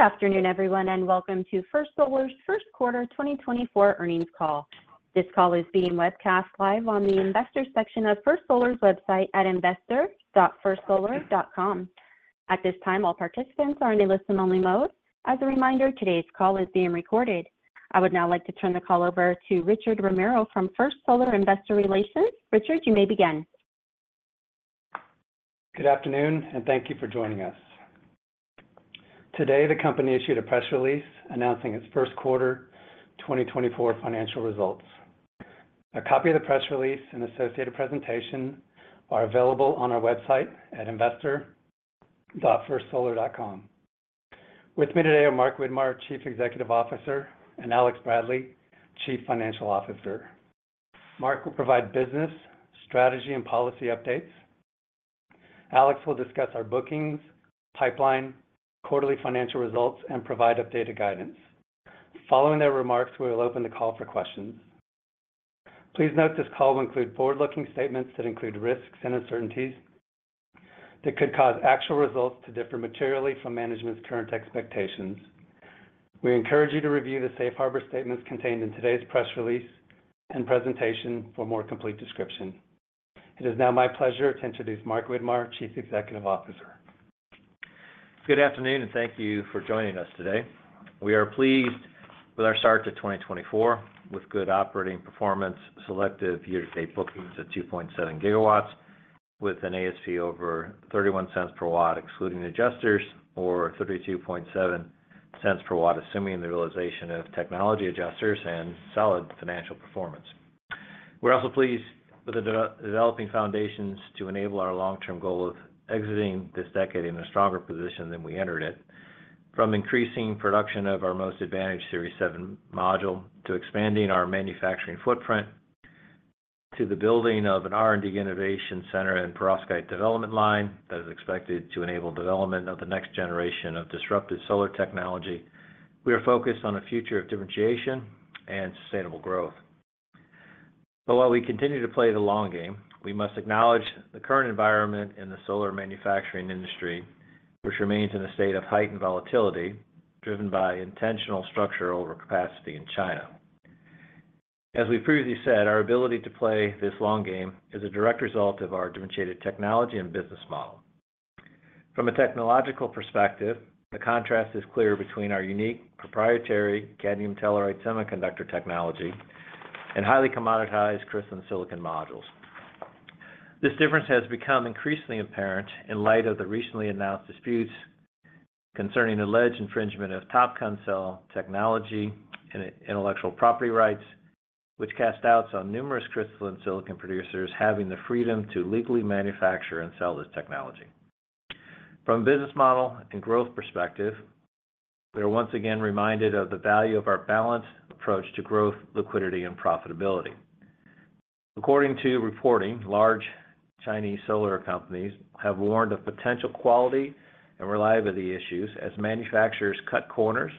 Good afternoon, everyone, and welcome to First Solar's First Quarter 2024 earnings call. This call is being webcast live on the investor section of First Solar's website at investor.firstsolar.com. At this time, all participants are in a listen-only mode. As a reminder, today's call is being recorded. I would now like to turn the call over to Richard Romero from First Solar Investor Relations. Richard, you may begin. Good afternoon, and thank you for joining us. Today, the company issued a press release announcing its first quarter 2024 financial results. A copy of the press release and associated presentation are available on our website at investor.firstsolar.com. With me today are Mark Widmar, Chief Executive Officer, and Alex Bradley, Chief Financial Officer. Mark will provide business, strategy, and policy updates. Alex will discuss our bookings, pipeline, quarterly financial results, and provide updated guidance. Following their remarks, we will open the call for questions. Please note this call will include forward-looking statements that include risks and uncertainties that could cause actual results to differ materially from management's current expectations. We encourage you to review the safe harbor statements contained in today's press release and presentation for a more complete description. It is now my pleasure to introduce Mark Widmar, Chief Executive Officer. Good afternoon, and thank you for joining us today. We are pleased with our start to 2024, with good operating performance, selective year-to-date bookings at 2.7 GW, with an ASP over $0.31 per watt excluding adjusters, or $0.327 per watt assuming the realization of technology adjusters and solid financial performance. We're also pleased with the developing foundations to enable our long-term goal of exiting this decade in a stronger position than we entered it, from increasing production of our most advantaged Series 7 module to expanding our manufacturing footprint to the building of an R&D Innovation Center and perovskite development line that is expected to enable development of the next generation of disruptive solar technology. We are focused on a future of differentiation and sustainable growth. But while we continue to play the long game, we must acknowledge the current environment in the solar manufacturing industry, which remains in a state of heightened volatility driven by intentional structural overcapacity in China. As we've previously said, our ability to play this long game is a direct result of our differentiated technology and business model. From a technological perspective, the contrast is clear between our unique proprietary cadmium telluride semiconductor technology and highly commoditized crystalline silicon modules. This difference has become increasingly apparent in light of the recently announced disputes concerning alleged infringement of TOPCon cell technology and intellectual property rights, which cast doubts on numerous crystalline silicon producers having the freedom to legally manufacture and sell this technology. From a business model and growth perspective, we are once again reminded of the value of our balanced approach to growth, liquidity, and profitability. According to reporting, large Chinese solar companies have warned of potential quality and reliability issues as manufacturers cut corners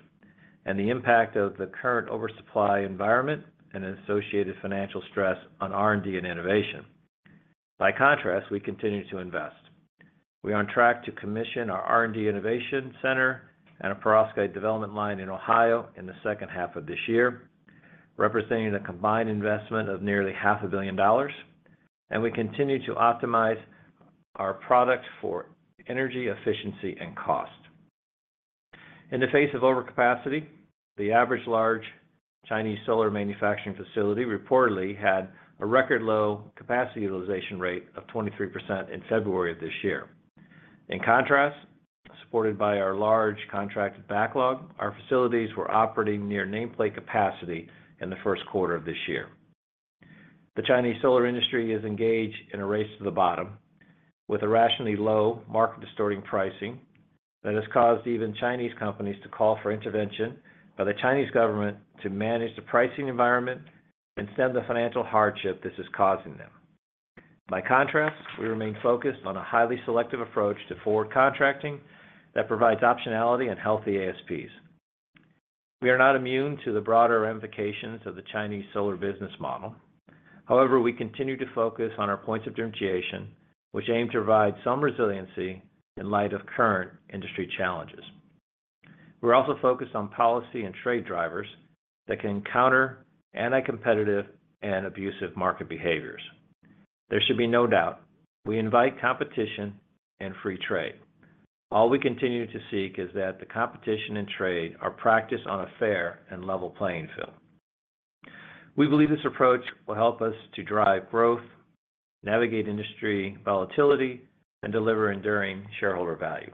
and the impact of the current oversupply environment and associated financial stress on R&D and innovation. By contrast, we continue to invest. We are on track to commission our R&D innovation center and a perovskite development line in Ohio in the second half of this year, representing a combined investment of nearly $500 million. We continue to optimize our product for energy efficiency and cost. In the face of overcapacity, the average large Chinese solar manufacturing facility reportedly had a record low capacity utilization rate of 23% in February of this year. In contrast, supported by our large contracted backlog, our facilities were operating near nameplate capacity in the first quarter of this year. The Chinese solar industry is engaged in a race to the bottom with irrationally low, market-distorting pricing that has caused even Chinese companies to call for intervention by the Chinese government to manage the pricing environment and stem the financial hardship this is causing them. By contrast, we remain focused on a highly selective approach to forward contracting that provides optionality and healthy ASPs. We are not immune to the broader ramifications of the Chinese solar business model. However, we continue to focus on our points of differentiation, which aim to provide some resiliency in light of current industry challenges. We're also focused on policy and trade drivers that can counter anti-competitive and abusive market behaviors. There should be no doubt, we invite competition and free trade. All we continue to seek is that the competition and trade are practiced on a fair and level playing field. We believe this approach will help us to drive growth, navigate industry volatility, and deliver enduring shareholder value.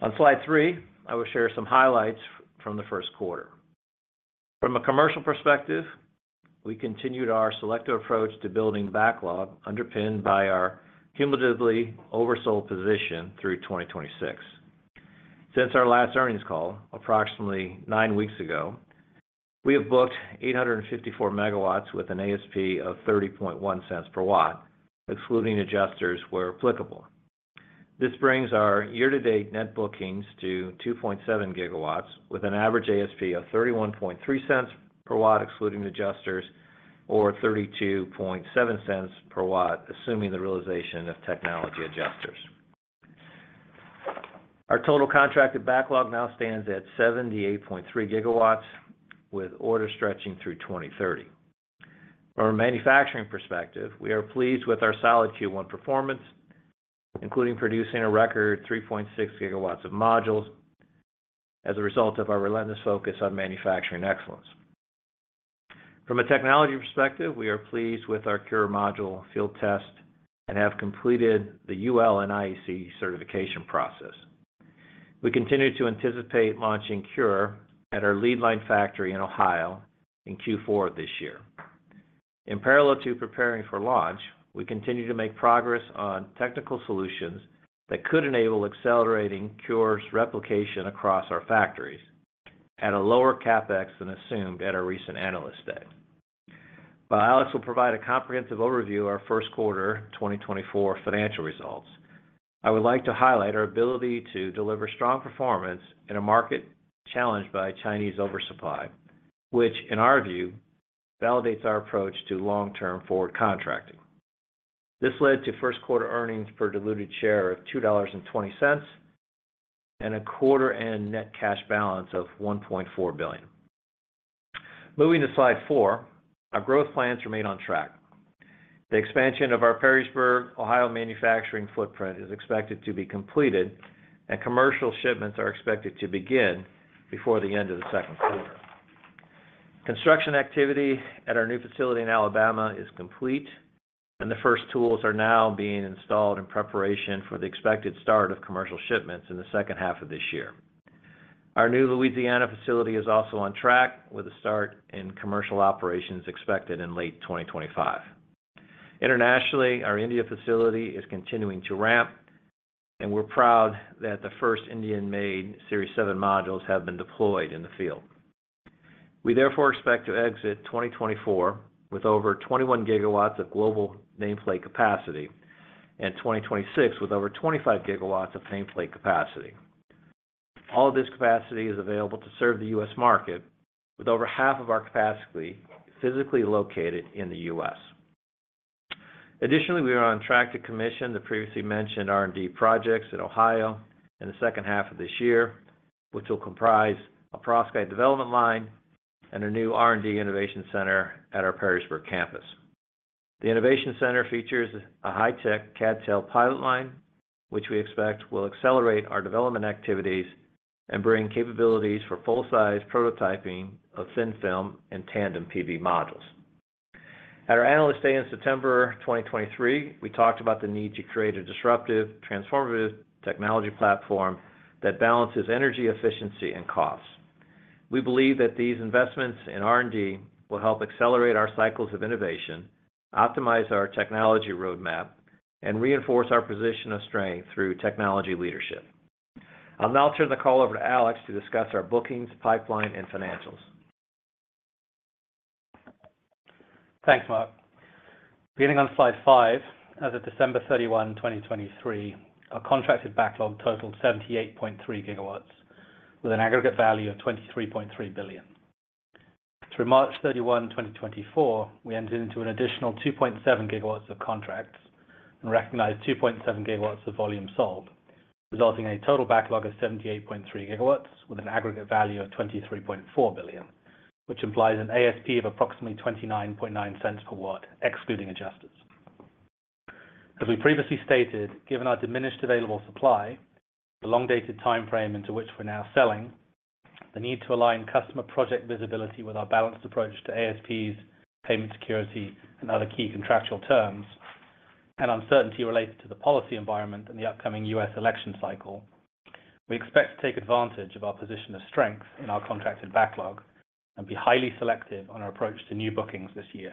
On slide three, I will share some highlights from the first quarter. From a commercial perspective, we continued our selective approach to building backlog underpinned by our cumulatively oversold position through 2026. Since our last earnings call approximately nine weeks ago, we have booked 854 MW with an ASP of $0.301 per watt, excluding adjusters where applicable. This brings our year-to-date net bookings to 2.7 GW, with an average ASP of $0.313 per watt excluding adjusters, or $0.327 per watt assuming the realization of technology adjusters. Our total contracted backlog now stands at 78.3 GW, with orders stretching through 2030. From a manufacturing perspective, we are pleased with our solid Q1 performance, including producing a record 3.6 GW of modules as a result of our relentless focus on manufacturing excellence. From a technology perspective, we are pleased with our CuRe module field test and have completed the UL and IEC certification process. We continue to anticipate launching CuRe at our lead line factory in Ohio in Q4 of this year. In parallel to preparing for launch, we continue to make progress on technical solutions that could enable accelerating CuRe's replication across our factories at a lower CapEx than assumed at our recent analysts' day. While Alex will provide a comprehensive overview of our first quarter 2024 financial results, I would like to highlight our ability to deliver strong performance in a market challenged by Chinese oversupply, which, in our view, validates our approach to long-term forward contracting. This led to first quarter earnings per diluted share of $2.20 and a quarter-end net cash balance of $1.4 billion. Moving to slide four, our growth plans remain on track. The expansion of our Perrysburg, Ohio manufacturing footprint is expected to be completed, and commercial shipments are expected to begin before the end of the second quarter. Construction activity at our new facility in Alabama is complete, and the first tools are now being installed in preparation for the expected start of commercial shipments in the second half of this year. Our new Louisiana facility is also on track, with a start in commercial operations expected in late 2025. Internationally, our India facility is continuing to ramp, and we're proud that the first Indian-made Series 7 modules have been deployed in the field. We therefore expect to exit 2024 with over 21 GW of global nameplate capacity and 2026 with over 25 GW of nameplate capacity. All of this capacity is available to serve the U.S. market, with over half of our capacity physically located in the U.S. Additionally, we are on track to commission the previously mentioned R&D projects in Ohio in the second half of this year, which will comprise a perovskite development line and a new R&D innovation center at our Perrysburg campus. The innovation center features a high-tech CadTel pilot line, which we expect will accelerate our development activities and bring capabilities for full-size prototyping of thin-film and tandem PV modules. At our analysts' day in September 2023, we talked about the need to create a disruptive, transformative technology platform that balances energy efficiency and costs. We believe that these investments in R&D will help accelerate our cycles of innovation, optimize our technology roadmap, and reinforce our position of strength through technology leadership. I'll now turn the call over to Alex to discuss our bookings, pipeline, and financials. Thanks, Mark. Beginning on slide five, as of December 31, 2023, our contracted backlog totaled 78.3 GW, with an aggregate value of $23.3 billion. Through March 31, 2024, we entered into an additional 2.7 GW of contracts and recognized 2.7 GW of volume sold, resulting in a total backlog of 78.3 GW, with an aggregate value of $23.4 billion, which implies an ASP of approximately $0.299 per watt excluding adjusters. As we previously stated, given our diminished available supply, the long-dated time frame into which we're now selling, the need to align customer project visibility with our balanced approach to ASPs, payment security, and other key contractual terms, and uncertainty related to the policy environment and the upcoming U.S. election cycle, we expect to take advantage of our position of strength in our contracted backlog and be highly selective on our approach to new bookings this year.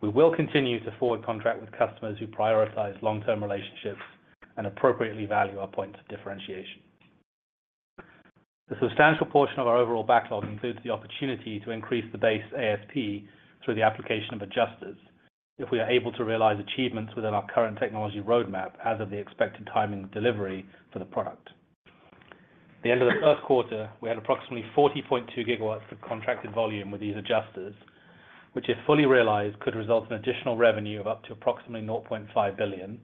We will continue to forward contract with customers who prioritize long-term relationships and appropriately value our points of differentiation. The substantial portion of our overall backlog includes the opportunity to increase the base ASP through the application of adjusters if we are able to realize achievements within our current technology roadmap as of the expected timing of delivery for the product. At the end of the first quarter, we had approximately 40.2 GW of contracted volume with these adjusters, which, if fully realized, could result in additional revenue of up to approximately $0.5 billion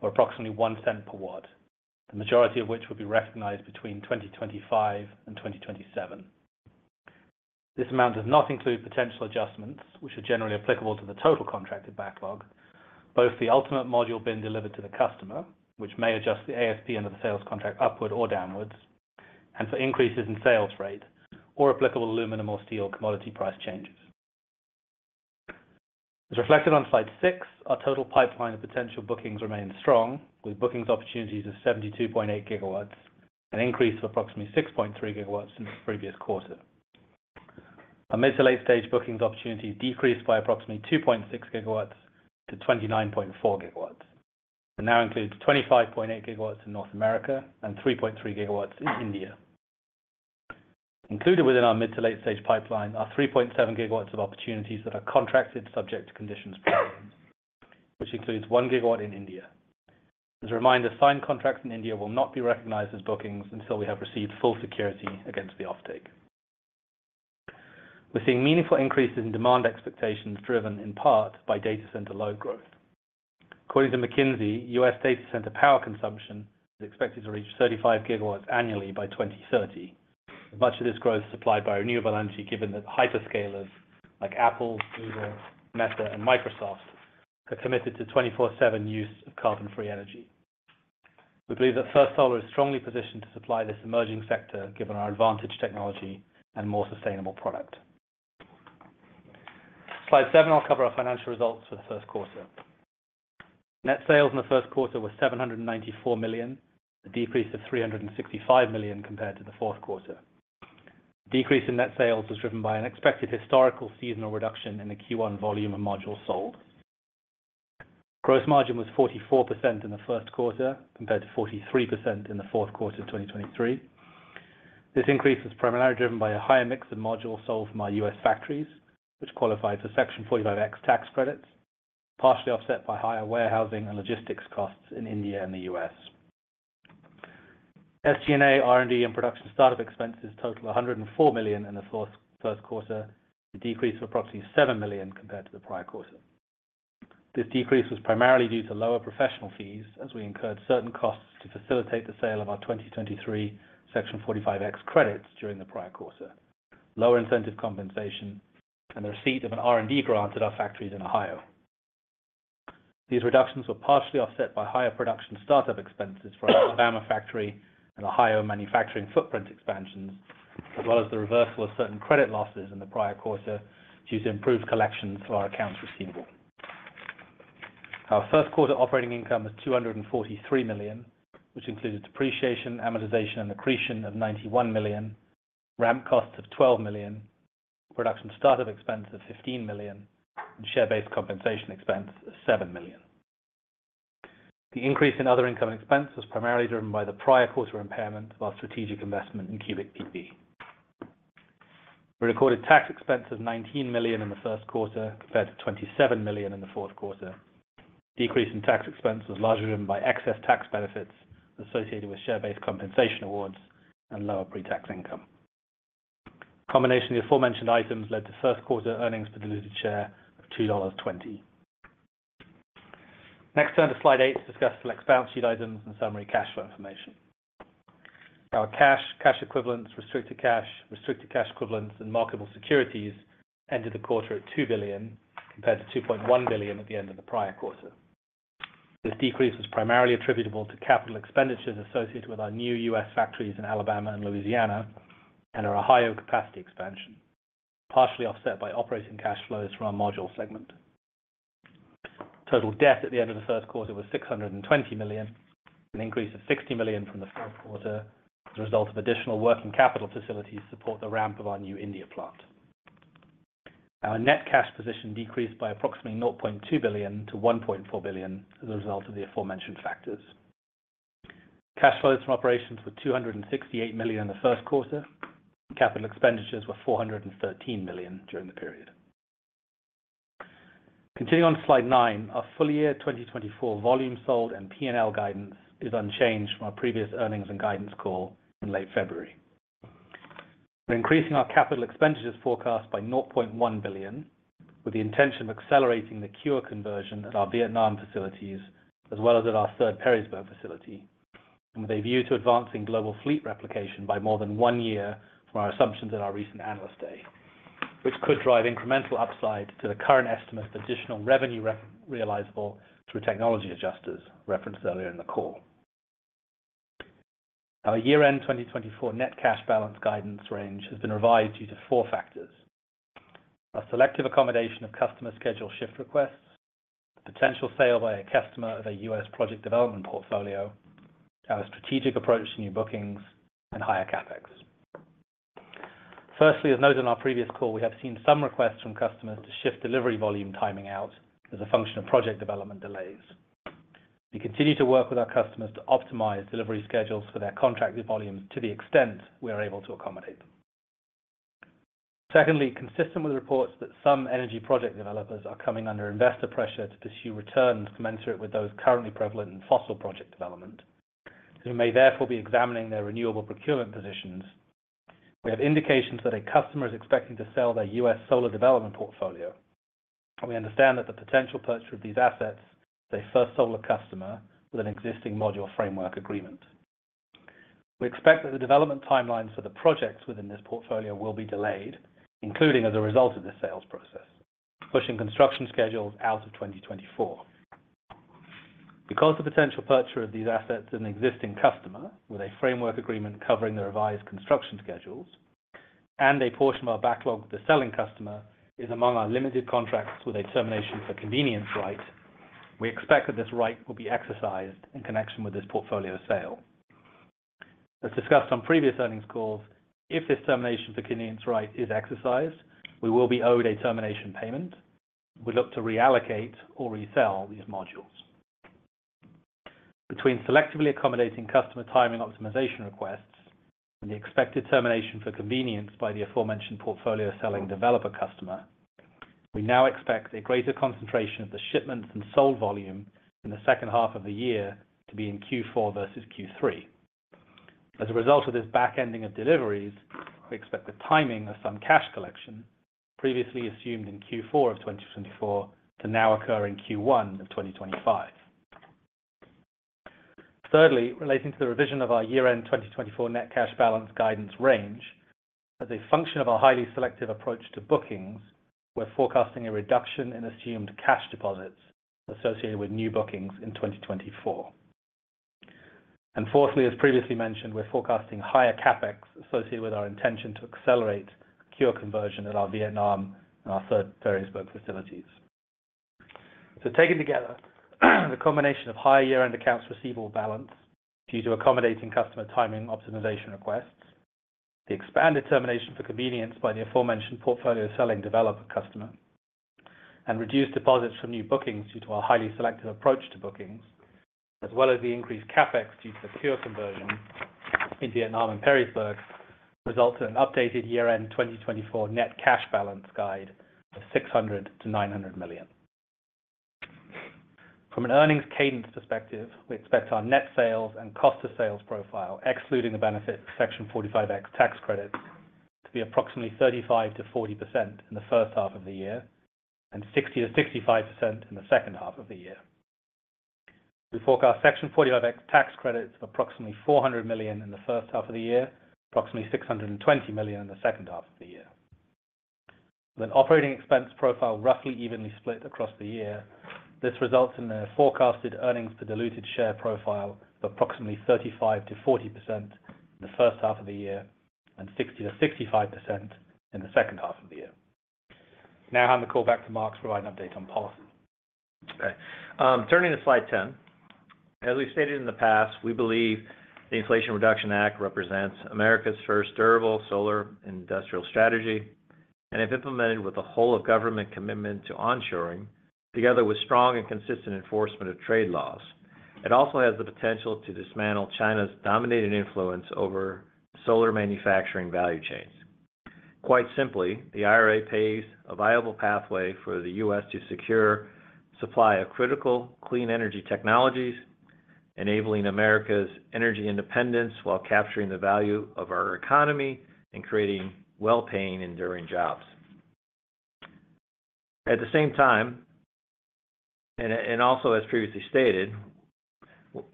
or approximately $0.01 per watt, the majority of which would be recognized between 2025 and 2027. This amount does not include potential adjustments, which are generally applicable to the total contracted backlog, both the ultimate module being delivered to the customer, which may adjust the ASP under the sales contract upward or downwards, and for increases in sales rate or applicable aluminum or steel commodity price changes. As reflected on slide six, our total pipeline of potential bookings remains strong, with bookings opportunities of 72.8 GW and an increase of approximately 6.3 GW in the previous quarter. Our mid to late-stage bookings opportunities decreased by approximately 2.6 GW-29.4 GW and now include 25.8 GW in North America and 3.3 GW in India. Included within our mid to late-stage pipeline are 3.7 GW of opportunities that are contracted subject to conditions preceding, which includes 1 GW in India. As a reminder, signed contracts in India will not be recognized as bookings until we have received full security against the offtake. We're seeing meaningful increases in demand expectations driven in part by data center load growth. According to McKinsey, U.S. data center power consumption is expected to reach 35 GW annually by 2030, with much of this growth supplied by renewable energy given that hyperscalers like Apple, Google, Meta, and Microsoft are committed to 24/7 use of carbon-free energy. We believe that First Solar is strongly positioned to supply this emerging sector given our advantaged technology and more sustainable product. Slide seven, I'll cover our financial results for the first quarter. Net sales in the first quarter were $794 million, a decrease of $365 million compared to the fourth quarter. The decrease in net sales was driven by an expected historical seasonal reduction in the Q1 volume of modules sold. Gross margin was 44% in the first quarter compared to 43% in the fourth quarter of 2023. This increase was primarily driven by a higher mix of modules sold from our U.S. factories, which qualified for Section 45X tax credits, partially offset by higher warehousing and logistics costs in India and the U.S. SG&A, R&D, and production startup expenses totaled $104 million in the first quarter, a decrease of approximately $7 million compared to the prior quarter. This decrease was primarily due to lower professional fees, as we incurred certain costs to facilitate the sale of our 2023 Section 45X credits during the prior quarter, lower incentive compensation, and the receipt of an R&D grant at our factories in Ohio. These reductions were partially offset by higher production startup expenses for our Alabama factory and Ohio manufacturing footprint expansions, as well as the reversal of certain credit losses in the prior quarter due to improved collections for our accounts receivable. Our first quarter operating income was $243 million, which included depreciation, amortization, and accretion of $91 million, ramp costs of $12 million, production startup expense of $15 million, and share-based compensation expense of $7 million. The increase in other income and expense was primarily driven by the prior quarter impairment of our strategic investment in CubicPV. We recorded tax expense of $19 million in the first quarter compared to $27 million in the fourth quarter. The decrease in tax expense was largely driven by excess tax benefits associated with share-based compensation awards and lower pre-tax income. A combination of the aforementioned items led to first quarter earnings per diluted share of $2.20. Next, turn to slide eight to discuss select balance sheet items and summary cash flow information. Our cash, cash equivalents, restricted cash, restricted cash equivalents, and marketable securities ended the quarter at $2 billion compared to $2.1 billion at the end of the prior quarter. This decrease was primarily attributable to capital expenditures associated with our new U.S. factories in Alabama and Louisiana and our Ohio capacity expansion, partially offset by operating cash flows from our module segment. Total debt at the end of the first quarter was $620 million, an increase of $60 million from the first quarter as a result of additional working capital facilities to support the ramp of our new India plant. Our net cash position decreased by approximately $0.2 billion to $1.4 billion as a result of the aforementioned factors. Cash flows from operations were $268 million in the first quarter. Capital expenditures were $413 million during the period. Continuing on slide nine, our full-year 2024 volume sold and P&L guidance is unchanged from our previous earnings and guidance call in late February. We're increasing our capital expenditures forecast by $0.1 billion, with the intention of accelerating the CuRe conversion at our Vietnam facilities as well as at our third Perrysburg facility, and with a view to advancing global fleet replication by more than one year from our assumptions at our recent analysts' day, which could drive incremental upside to the current estimate of additional revenue realizable through technology adjusters referenced earlier in the call. Our year-end 2024 net cash balance guidance range has been revised due to four factors: our selective accommodation of customer schedule shift requests, the potential sale by a customer of a U.S. project development portfolio, our strategic approach to new bookings, and higher CapEx. Firstly, as noted on our previous call, we have seen some requests from customers to shift delivery volume timing out as a function of project development delays. We continue to work with our customers to optimize delivery schedules for their contracted volumes to the extent we are able to accommodate them. Secondly, consistent with reports that some energy project developers are coming under investor pressure to pursue returns commensurate with those currently prevalent in fossil project development, and we may therefore be examining their renewable procurement positions, we have indications that a customer is expecting to sell their U.S. solar development portfolio, and we understand that the potential purchase of these assets is a First Solar customer with an existing module framework agreement. We expect that the development timelines for the projects within this portfolio will be delayed, including as a result of this sales process, pushing construction schedules out of 2024. Because the potential purchase of these assets is an existing customer with a framework agreement covering the revised construction schedules and a portion of our backlog with a selling customer is among our limited contracts with a termination for convenience right, we expect that this right will be exercised in connection with this portfolio sale. As discussed on previous earnings calls, if this termination for convenience right is exercised, we will be owed a termination payment and would look to reallocate or resell these modules. Between selectively accommodating customer timing optimization requests and the expected termination for convenience by the aforementioned portfolio selling developer customer, we now expect a greater concentration of the shipments and sold volume in the second half of the year to be in Q4 versus Q3. As a result of this backending of deliveries, we expect the timing of some cash collection previously assumed in Q4 of 2024 to now occur in Q1 of 2025. Thirdly, relating to the revision of our year-end 2024 net cash balance guidance range, as a function of our highly selective approach to bookings, we're forecasting a reduction in assumed cash deposits associated with new bookings in 2024. And fourthly, as previously mentioned, we're forecasting higher CapEx associated with our intention to accelerate CuRe conversion at our Vietnam and our third Perrysburg facilities. Taken together, the combination of higher year-end accounts receivable balance due to accommodating customer timing optimization requests, the expanded termination for convenience by the aforementioned portfolio selling developer customer, and reduced deposits from new bookings due to our highly selective approach to bookings, as well as the increased CapEx due to the CuRe conversion in Vietnam and Perrysburg, result in an updated year-end 2024 net cash balance guide of $600 million-$900 million. From an earnings cadence perspective, we expect our net sales and cost of sales profile, excluding the benefit of Section 45X tax credits, to be approximately 35%-40% in the first half of the year and 60%-65% in the second half of the year. We forecast Section 45X tax credits of approximately $400 million in the first half of the year, approximately $620 million in the second half of the year. With an operating expense profile roughly evenly split across the year, this results in a forecasted earnings per diluted share profile of approximately 35%-40% in the first half of the year and 60%-65% in the second half of the year. Now hand the call back to Mark to provide an update on policy. Okay. Turning to slide 10. As we've stated in the past, we believe the Inflation Reduction Act represents America's first durable solar industrial strategy, and if implemented with a whole-of-government commitment to onshoring, together with strong and consistent enforcement of trade laws, it also has the potential to dismantle China's dominating influence over solar manufacturing value chains. Quite simply, the IRA paves a viable pathway for the U.S. to secure supply of critical clean energy technologies, enabling America's energy independence while capturing the value of our economy and creating well-paying, enduring jobs. At the same time, and also as previously stated,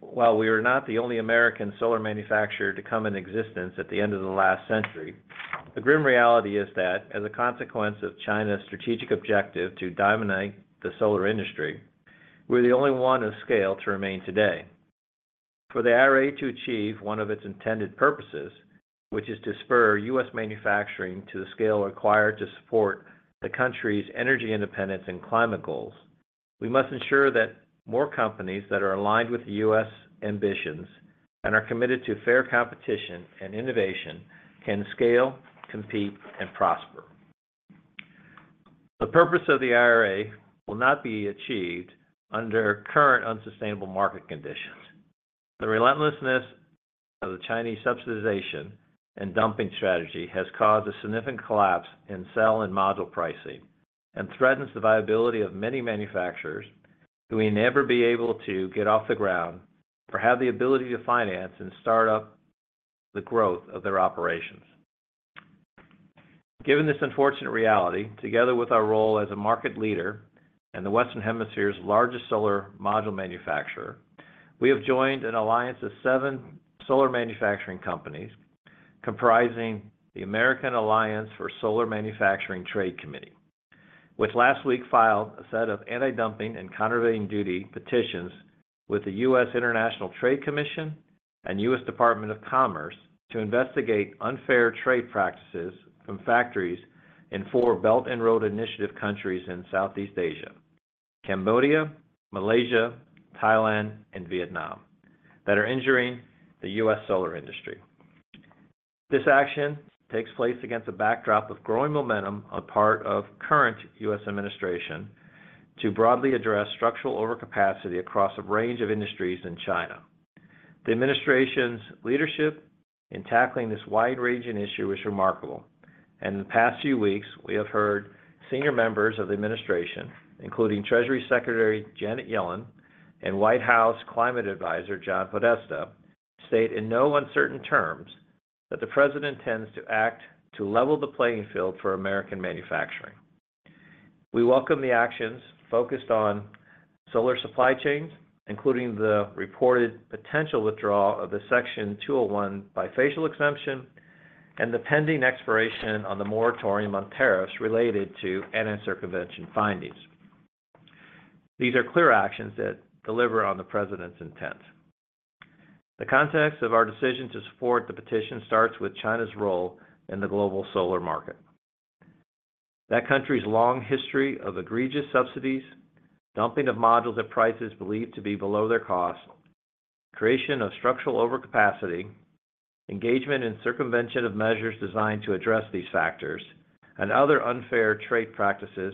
while we are not the only American solar manufacturer to come into existence at the end of the last century, the grim reality is that, as a consequence of China's strategic objective to dominate the solar industry, we're the only one of scale to remain today. For the IRA to achieve one of its intended purposes, which is to spur U.S. manufacturing to the scale required to support the country's energy independence and climate goals, we must ensure that more companies that are aligned with the U.S. ambitions and are committed to fair competition and innovation can scale, compete, and prosper. The purpose of the IRA will not be achieved under current unsustainable market conditions. The relentlessness of the Chinese subsidization and dumping strategy has caused a significant collapse in cell and module pricing and threatens the viability of many manufacturers who may never be able to get off the ground or have the ability to finance and start up the growth of their operations. Given this unfortunate reality, together with our role as a market leader and the Western Hemisphere's largest solar module manufacturer, we have joined an alliance of seven solar manufacturing companies comprising the American Alliance for Solar Manufacturing Trade Committee, which last week filed a set of anti-dumping and countervailing duty petitions with the U.S. International Trade Commission and U.S. Department of Commerce to investigate unfair trade practices from factories in four Belt and Road Initiative countries in Southeast Asia: Cambodia, Malaysia, Thailand, and Vietnam, that are injuring the U.S. solar industry. This action takes place against a backdrop of growing momentum on the part of the current U.S. administration to broadly address structural overcapacity across a range of industries in China. The administration's leadership in tackling this wide-ranging issue is remarkable, and in the past few weeks, we have heard senior members of the administration, including Treasury Secretary Janet Yellen and White House Climate Advisor John Podesta, state in no uncertain terms that the President intends to act to level the playing field for American manufacturing. We welcome the actions focused on solar supply chains, including the reported potential withdrawal of the Section 201 Bifacial Exemption and the pending expiration of the moratorium on tariffs related to anti-circumvention findings. These are clear actions that deliver on the President's intent. The context of our decision to support the petition starts with China's role in the global solar market. That country's long history of egregious subsidies, dumping of modules at prices believed to be below their cost, creation of structural overcapacity, engagement in circumvention of measures designed to address these factors, and other unfair trade practices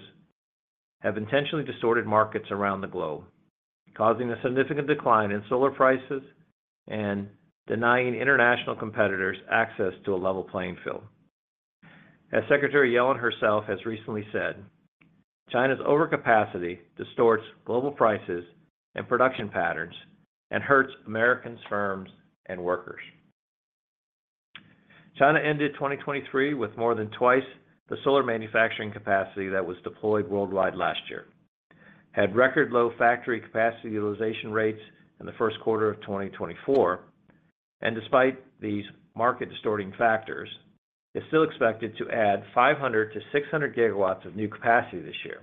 have intentionally distorted markets around the globe, causing a significant decline in solar prices and denying international competitors access to a level playing field. As Secretary Yellen herself has recently said, China's overcapacity distorts global prices and production patterns and hurts Americans, firms, and workers. China ended 2023 with more than twice the solar manufacturing capacity that was deployed worldwide last year, had record-low factory capacity utilization rates in the first quarter of 2024, and despite these market-distorting factors, is still expected to add 500 GW-600 GW of new capacity this year.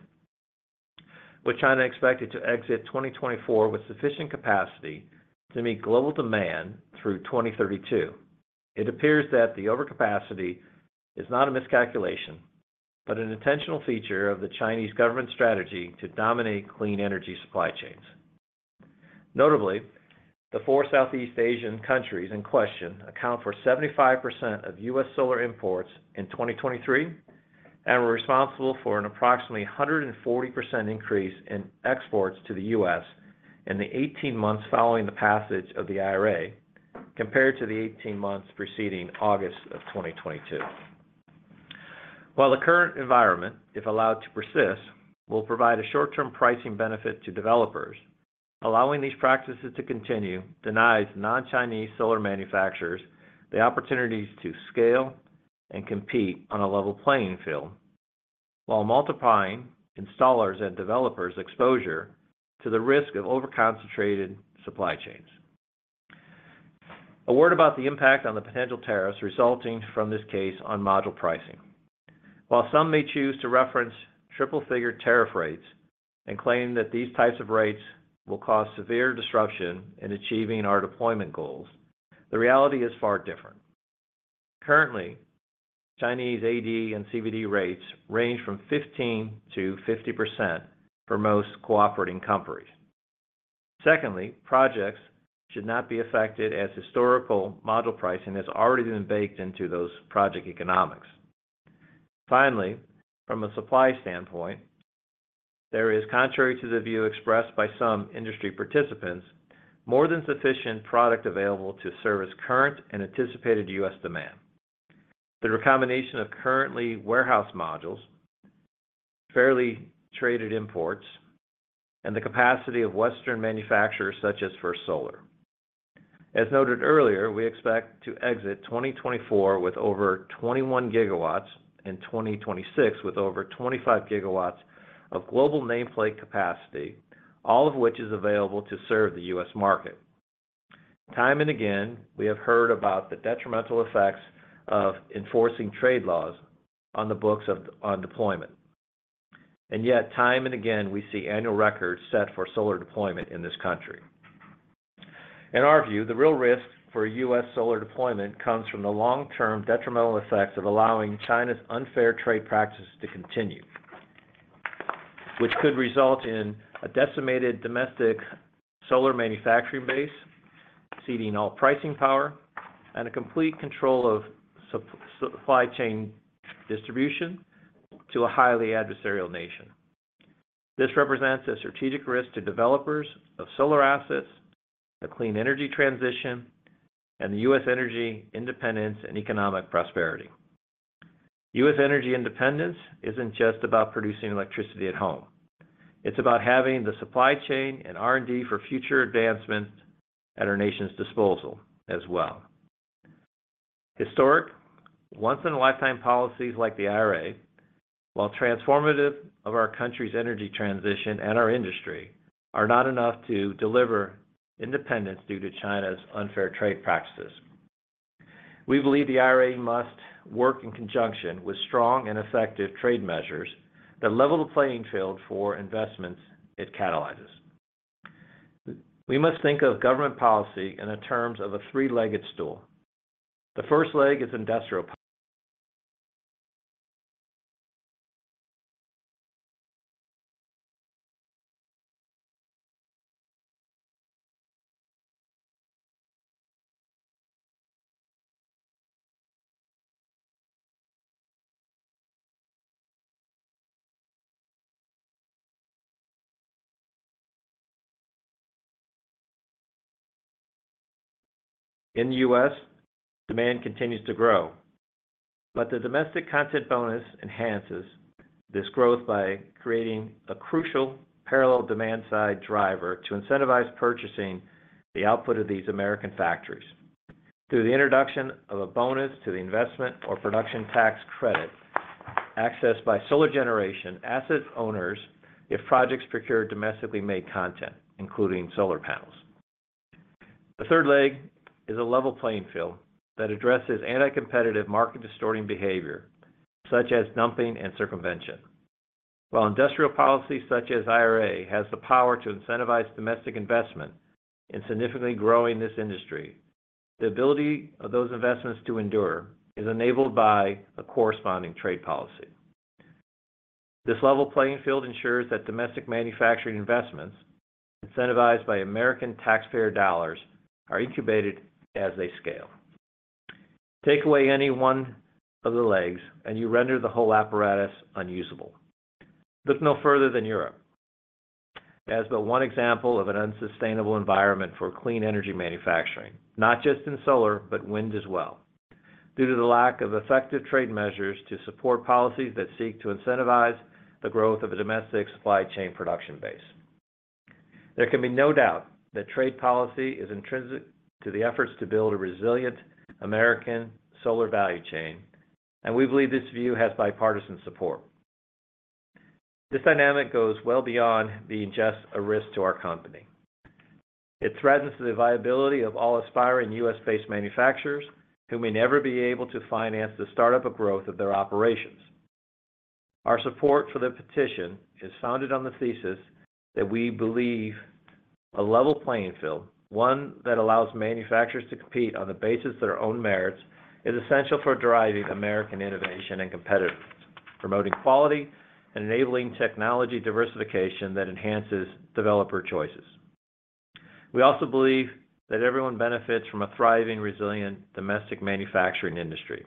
Would China expect it to exit 2024 with sufficient capacity to meet global demand through 2032? It appears that the overcapacity is not a miscalculation but an intentional feature of the Chinese government's strategy to dominate clean energy supply chains. Notably, the four Southeast Asian countries in question account for 75% of U.S. solar imports in 2023 and were responsible for an approximately 140% increase in exports to the U.S. in the 18 months following the passage of the IRA compared to the 18 months preceding August of 2022. While the current environment, if allowed to persist, will provide a short-term pricing benefit to developers, allowing these practices to continue denies non-Chinese solar manufacturers the opportunities to scale and compete on a level playing field while multiplying installers' and developers' exposure to the risk of overconcentrated supply chains. A word about the impact on the potential tariffs resulting from this case on module pricing. While some may choose to reference triple-figure tariff rates and claim that these types of rates will cause severe disruption in achieving our deployment goals, the reality is far different. Currently, Chinese AD and CVD rates range from 15%-50% for most cooperating companies. Secondly, projects should not be affected as historical module pricing has already been baked into those project economics. Finally, from a supply standpoint, there is, contrary to the view expressed by some industry participants, more than sufficient product available to service current and anticipated U.S. demand. The combination of currently warehoused modules, fairly traded imports, and the capacity of Western manufacturers such as First Solar. As noted earlier, we expect to exit 2024 with over 21 GW and 2026 with over 25 GW of global nameplate capacity, all of which is available to serve the U.S. market. Time and again, we have heard about the detrimental effects of enforcing trade laws on the books on deployment. And yet, time and again, we see annual records set for solar deployment in this country. In our view, the real risk for U.S. solar deployment comes from the long-term detrimental effects of allowing China's unfair trade practices to continue, which could result in a decimated domestic solar manufacturing base exceeding all pricing power and a complete control of supply chain distribution to a highly adversarial nation. This represents a strategic risk to developers of solar assets, the clean energy transition, and the U.S. energy independence and economic prosperity. U.S. energy independence isn't just about producing electricity at home. It's about having the supply chain and R&D for future advancements at our nation's disposal as well. Historic, once-in-a-lifetime policies like the IRA, while transformative of our country's energy transition and our industry, are not enough to deliver independence due to China's unfair trade practices. We believe the IRA must work in conjunction with strong and effective trade measures that level the playing field for investments it catalyzes. We must think of government policy in the terms of a three-legged stool. The first leg is industrial. In the U.S., demand continues to grow, but the domestic content bonus enhances this growth by creating a crucial parallel demand-side driver to incentivize purchasing the output of these American factories. Through the introduction of a bonus to the investment or production tax credit accessed by solar generation asset owners if projects procured domestically made content, including solar panels. The third leg is a level playing field that addresses anti-competitive market-distorting behavior such as dumping and circumvention. While industrial policy such as IRA has the power to incentivize domestic investment in significantly growing this industry, the ability of those investments to endure is enabled by a corresponding trade policy. This level playing field ensures that domestic manufacturing investments incentivized by American taxpayer dollars are incubated as they scale. Take away any one of the legs, and you render the whole apparatus unusable. Look no further than Europe. As but one example of an unsustainable environment for clean energy manufacturing, not just in solar, but wind as well, due to the lack of effective trade measures to support policies that seek to incentivize the growth of a domestic supply chain production base. There can be no doubt that trade policy is intrinsic to the efforts to build a resilient American solar value chain, and we believe this view has bipartisan support. This dynamic goes well beyond being just a risk to our company. It threatens the viability of all aspiring U.S.-based manufacturers who may never be able to finance the startup of growth of their operations. Our support for the petition is founded on the thesis that we believe a level playing field, one that allows manufacturers to compete on the basis of their own merits, is essential for driving American innovation and competitiveness, promoting quality, and enabling technology diversification that enhances developer choices. We also believe that everyone benefits from a thriving, resilient domestic manufacturing industry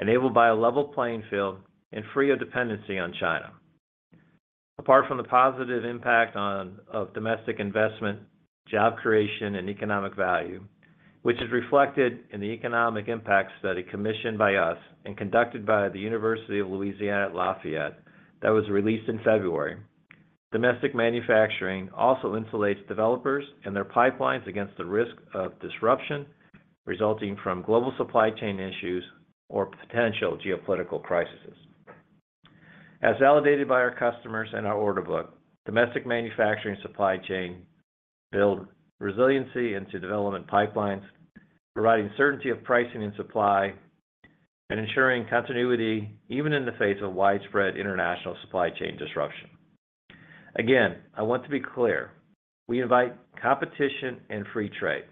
enabled by a level playing field and free of dependency on China. Apart from the positive impact of domestic investment, job creation, and economic value, which is reflected in the Economic Impact Study commissioned by us and conducted by the University of Louisiana at Lafayette that was released in February, domestic manufacturing also insulates developers and their pipelines against the risk of disruption resulting from global supply chain issues or potential geopolitical crises. As validated by our customers and our order book, domestic manufacturing supply chain build resiliency into development pipelines, providing certainty of pricing and supply, and ensuring continuity even in the face of widespread international supply chain disruption. Again, I want to be clear. We invite competition and free trade.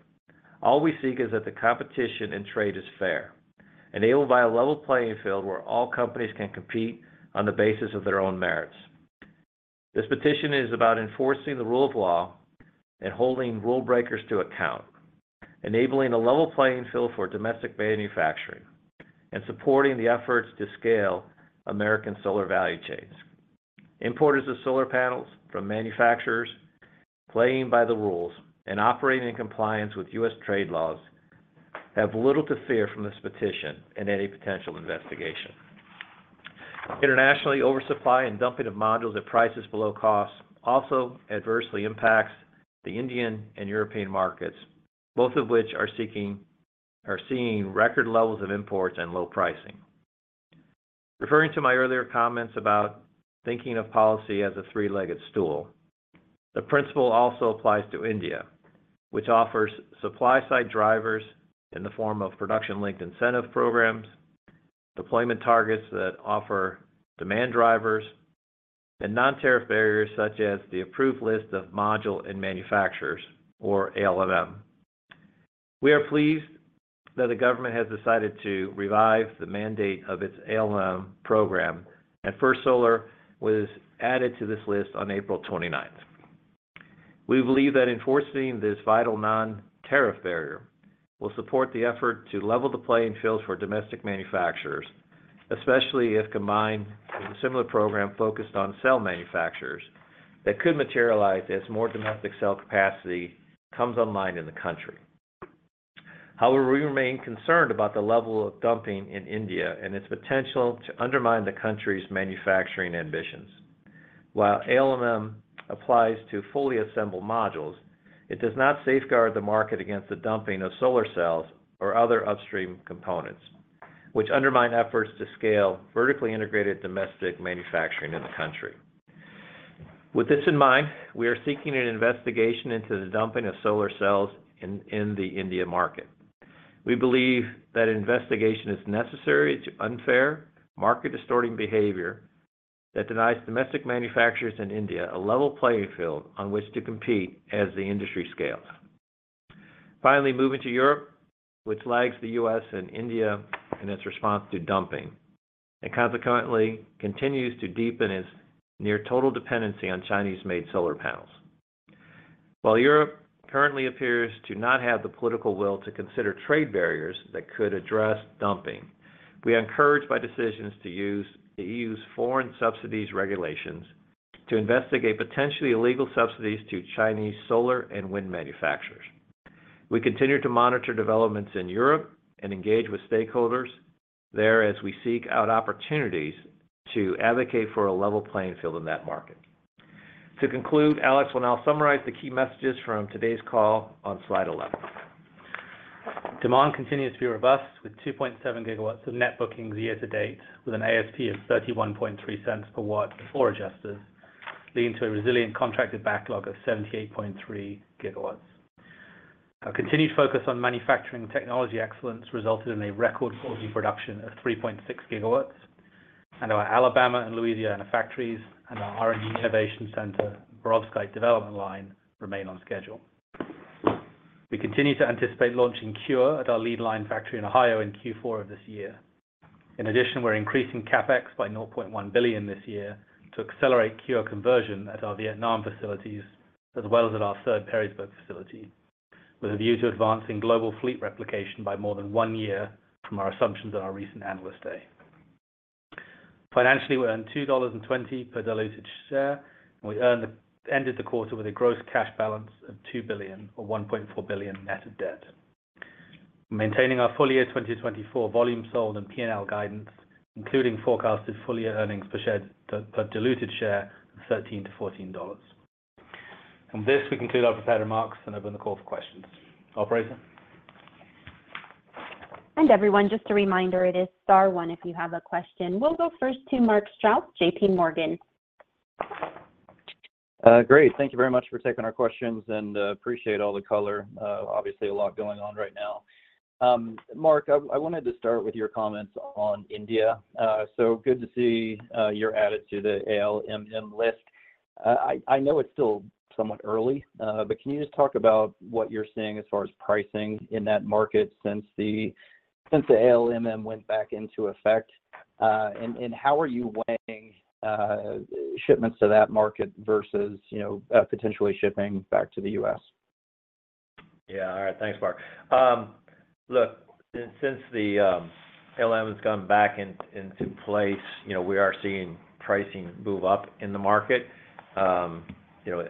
All we seek is that the competition and trade is fair, enabled by a level playing field where all companies can compete on the basis of their own merits. This petition is about enforcing the rule of law and holding rule breakers to account, enabling a level playing field for domestic manufacturing, and supporting the efforts to scale American solar value chains. Importers of solar panels from manufacturers, playing by the rules and operating in compliance with U.S. trade laws, have little to fear from this petition and any potential investigation. Internationally, oversupply and dumping of modules at prices below cost also adversely impacts the Indian and European markets, both of which are seeing record levels of imports and low pricing. Referring to my earlier comments about thinking of policy as a three-legged stool, the principle also applies to India, which offers supply-side drivers in the form of production-linked incentive programs, deployment targets that offer demand drivers, and non-tariff barriers such as the approved list of models and manufacturers, or ALMM. We are pleased that the government has decided to revive the mandate of its ALMM program, and First Solar was added to this list on April 29th. We believe that enforcing this vital non-tariff barrier will support the effort to level the playing field for domestic manufacturers, especially if combined with a similar program focused on cell manufacturers that could materialize as more domestic cell capacity comes online in the country. However, we remain concerned about the level of dumping in India and its potential to undermine the country's manufacturing ambitions. While ALMM applies to fully assembled modules, it does not safeguard the market against the dumping of solar cells or other upstream components, which undermine efforts to scale vertically integrated domestic manufacturing in the country. With this in mind, we are seeking an investigation into the dumping of solar cells in the India market. We believe that an investigation is necessary to address unfair market-distorting behavior that denies domestic manufacturers in India a level playing field on which to compete as the industry scales. Finally, moving to Europe, which lags the U.S. and India in its response to dumping and consequently continues to deepen its near total dependency on Chinese-made solar panels. While Europe currently appears to not have the political will to consider trade barriers that could address dumping, we are encouraged by decisions to use the EU's Foreign Subsidies Regulations to investigate potentially illegal subsidies to Chinese solar and wind manufacturers. We continue to monitor developments in Europe and engage with stakeholders there as we seek out opportunities to advocate for a level playing field in that market. To conclude, Alex will now summarize the key messages from today's call on Slide 11. Demand continues to be robust with 2.7 GW of net bookings year to date with an ASP of $0.313 per watt for adjusters, leading to a resilient contracted backlog of 78.3 GW. Our continued focus on manufacturing technology excellence resulted in a record quarterly production of 3.6 GW, and our Alabama and Louisiana factories and our R&D Innovation Center Perovskite Development Line remain on schedule. We continue to anticipate launching CuRe at our lead line factory in Ohio in Q4 of this year. In addition, we're increasing CapEx by $0.1 billion this year to accelerate CuRe conversion at our Vietnam facilities as well as at our third Perrysburg facility, with a view to advancing global fleet replication by more than one year from our assumptions at our recent analyst day. Financially, we earned $2.20 per diluted share, and we ended the quarter with a gross cash balance of $2 billion or $1.4 billion net of debt, maintaining our full year 2024 volume sold and P&L guidance, including forecasted full year earnings per share per diluted share of $13-$14. With this, we conclude our prepared remarks and open the call for questions. Operator. Everyone, just a reminder, it is star one if you have a question. We'll go first to Mark Strouse, JPMorgan. Great. Thank you very much for taking our questions, and appreciate all the color. Obviously, a lot going on right now. Mark, I wanted to start with your comments on India. So good to see you added to the ALMM list. I know it's still somewhat early, but can you just talk about what you're seeing as far as pricing in that market since the ALMM went back into effect? And how are you weighing shipments to that market versus potentially shipping back to the U.S.? Yeah. All right. Thanks, Mark. Look, since the ALMM has gone back into place, we are seeing pricing move up in the market.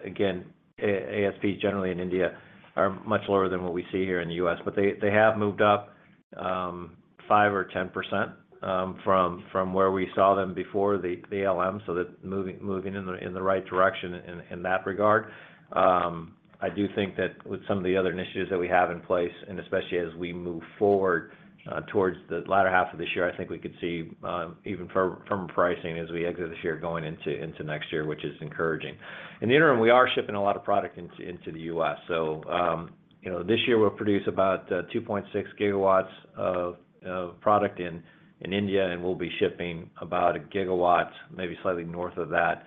Again, ASPs generally in India are much lower than what we see here in the U.S., but they have moved up 5%-10% from where we saw them before the ALMM, so moving in the right direction in that regard. I do think that with some of the other initiatives that we have in place, and especially as we move forward towards the latter half of this year, I think we could see even firm pricing as we exit this year going into next year, which is encouraging. In the interim, we are shipping a lot of product into the U.S. So this year, we'll produce about 2.6 GW of product in India, and we'll be shipping about 1 GW, maybe slightly north of that,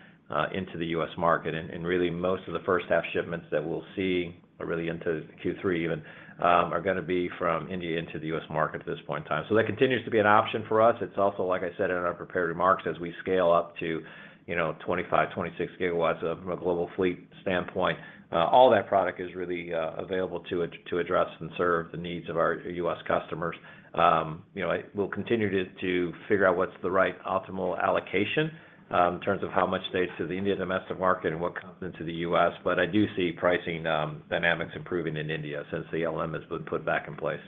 into the U.S. market. And really, most of the first-half shipments that we'll see, or really into Q3 even, are going to be from India into the U.S. market at this point in time. So that continues to be an option for us. It's also, like I said in our prepared remarks, as we scale up to 25 GW, 26 GW from a global fleet standpoint, all that product is really available to address and serve the needs of our U.S. customers. We'll continue to figure out what's the right optimal allocation in terms of how much stays to the India domestic market and what comes into the U.S., but I do see pricing dynamics improving in India since the ALMM has been put back in place.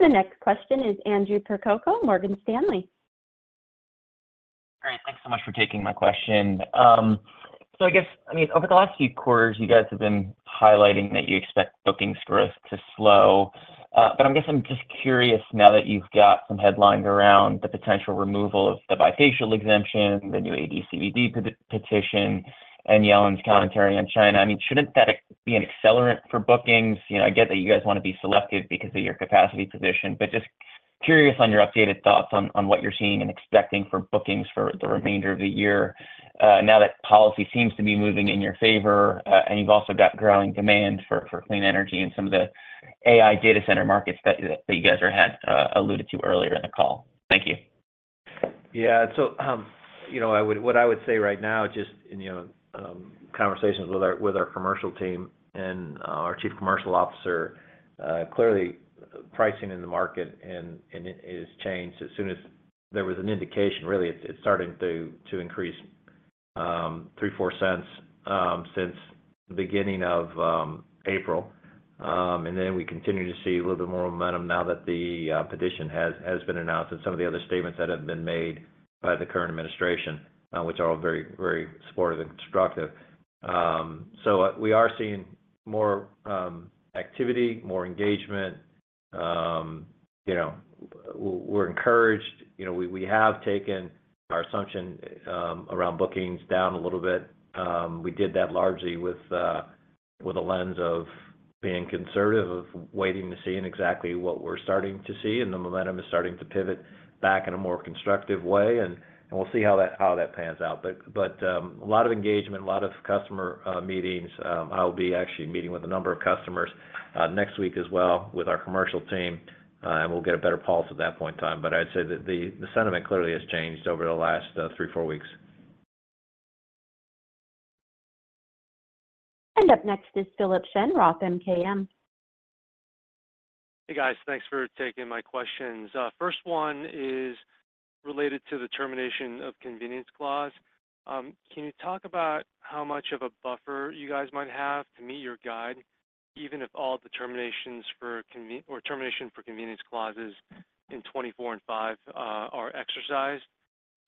The next question is Andrew Percoco, Morgan Stanley. All right. Thanks so much for taking my question. So I guess, I mean, over the last few quarters, you guys have been highlighting that you expect bookings growth to slow. But I guess I'm just curious now that you've got some headlines around the potential removal of the Bifacial Exemption, the new AD/CVD petition, and Yellen's commentary on China. I mean, shouldn't that be an accelerant for bookings? I get that you guys want to be selective because of your capacity position, but just curious on your updated thoughts on what you're seeing and expecting for bookings for the remainder of the year now that policy seems to be moving in your favor and you've also got growing demand for clean energy in some of the AI data center markets that you guys alluded to earlier in the call. Thank you. Yeah. So what I would say right now, just in conversations with our commercial team and our Chief Commercial Officer, clearly, pricing in the market has changed as soon as there was an indication. Really, it's starting to increase $0.03-$0.04 since the beginning of April. And then we continue to see a little bit more momentum now that the petition has been announced and some of the other statements that have been made by the current administration, which are all very, very supportive and constructive. So we are seeing more activity, more engagement. We're encouraged. We have taken our assumption around bookings down a little bit. We did that largely with a lens of being conservative, of waiting to see exactly what we're starting to see, and the momentum is starting to pivot back in a more constructive way. And we'll see how that pans out. But a lot of engagement, a lot of customer meetings. I'll be actually meeting with a number of customers next week as well with our commercial team, and we'll get a better pulse at that point in time. But I'd say that the sentiment clearly has changed over the last three, four weeks. Up next is Philip Shen, Roth MKM. Hey, guys. Thanks for taking my questions. First one is related to the termination of convenience clause. Can you talk about how much of a buffer you guys might have to meet your guide, even if all determinations for or termination for convenience clauses in 2024 and 2025 are exercised?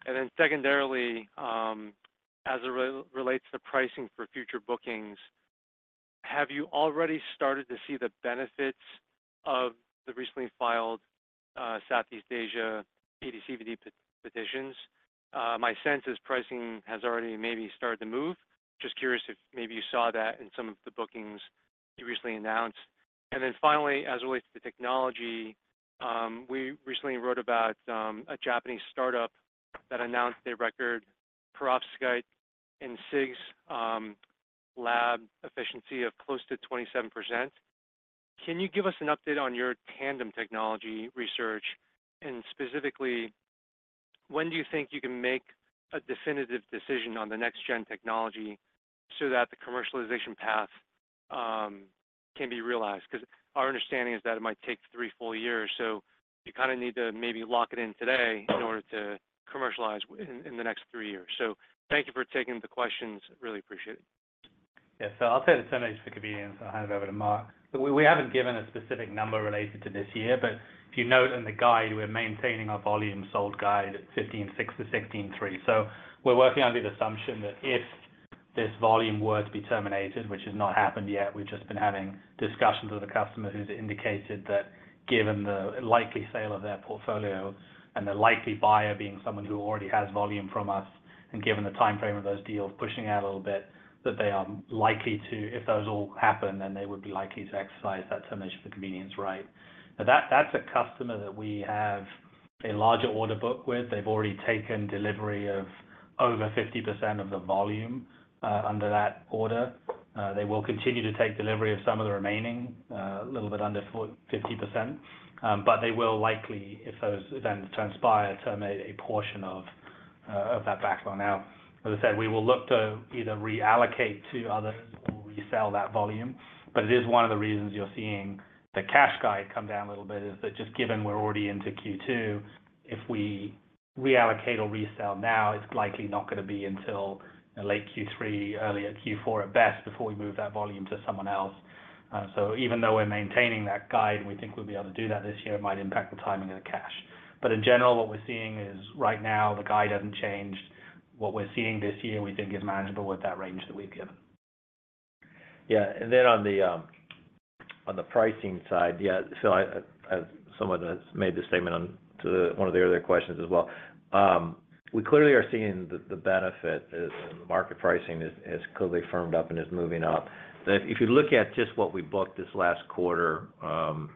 And then secondarily, as it relates to pricing for future bookings, have you already started to see the benefits of the recently filed Southeast Asia AD/CVD petitions? My sense is pricing has already maybe started to move. Just curious if maybe you saw that in some of the bookings you recently announced. And then finally, as it relates to technology, we recently wrote about a Japanese startup that announced their record, perovskite and CIGS lab, efficiency of close to 27%. Can you give us an update on your tandem technology research? And specifically, when do you think you can make a definitive decision on the next-gen technology so that the commercialization path can be realized? Because our understanding is that it might take three full years, so you kind of need to maybe lock it in today in order to commercialize in the next three years. So thank you for taking the questions. Really appreciate it. Yeah. So I'll say the session for convenience. I'll hand it over to Mark. Look, we haven't given a specific number related to this year, but if you note in the guide, we're maintaining our volume sold guide at 15.6-16.3. So we're working under the assumption that if this volume were to be terminated, which has not happened yet, we've just been having discussions with a customer who's indicated that given the likely sale of their portfolio and the likely buyer being someone who already has volume from us and given the time frame of those deals pushing out a little bit, that they are likely to if those all happen, then they would be likely to exercise that termination for convenience right. Now, that's a customer that we have a larger order book with. They've already taken delivery of over 50% of the volume under that order. They will continue to take delivery of some of the remaining, a little bit under 50%. But they will likely, if those events transpire, terminate a portion of that backlog. Now, as I said, we will look to either reallocate to others or resell that volume. But it is one of the reasons you're seeing the cash guide come down a little bit is that just given we're already into Q2, if we reallocate or resell now, it's likely not going to be until late Q3, early in Q4 at best before we move that volume to someone else. So even though we're maintaining that guide and we think we'll be able to do that this year, it might impact the timing of the cash. But in general, what we're seeing is right now, the guide hasn't changed. What we're seeing this year, we think, is manageable with that range that we've given. Yeah. Then on the pricing side, yeah, so someone has made the statement to one of the earlier questions as well. We clearly are seeing the benefit and the market pricing has clearly firmed up and is moving up. If you look at just what we booked this last quarter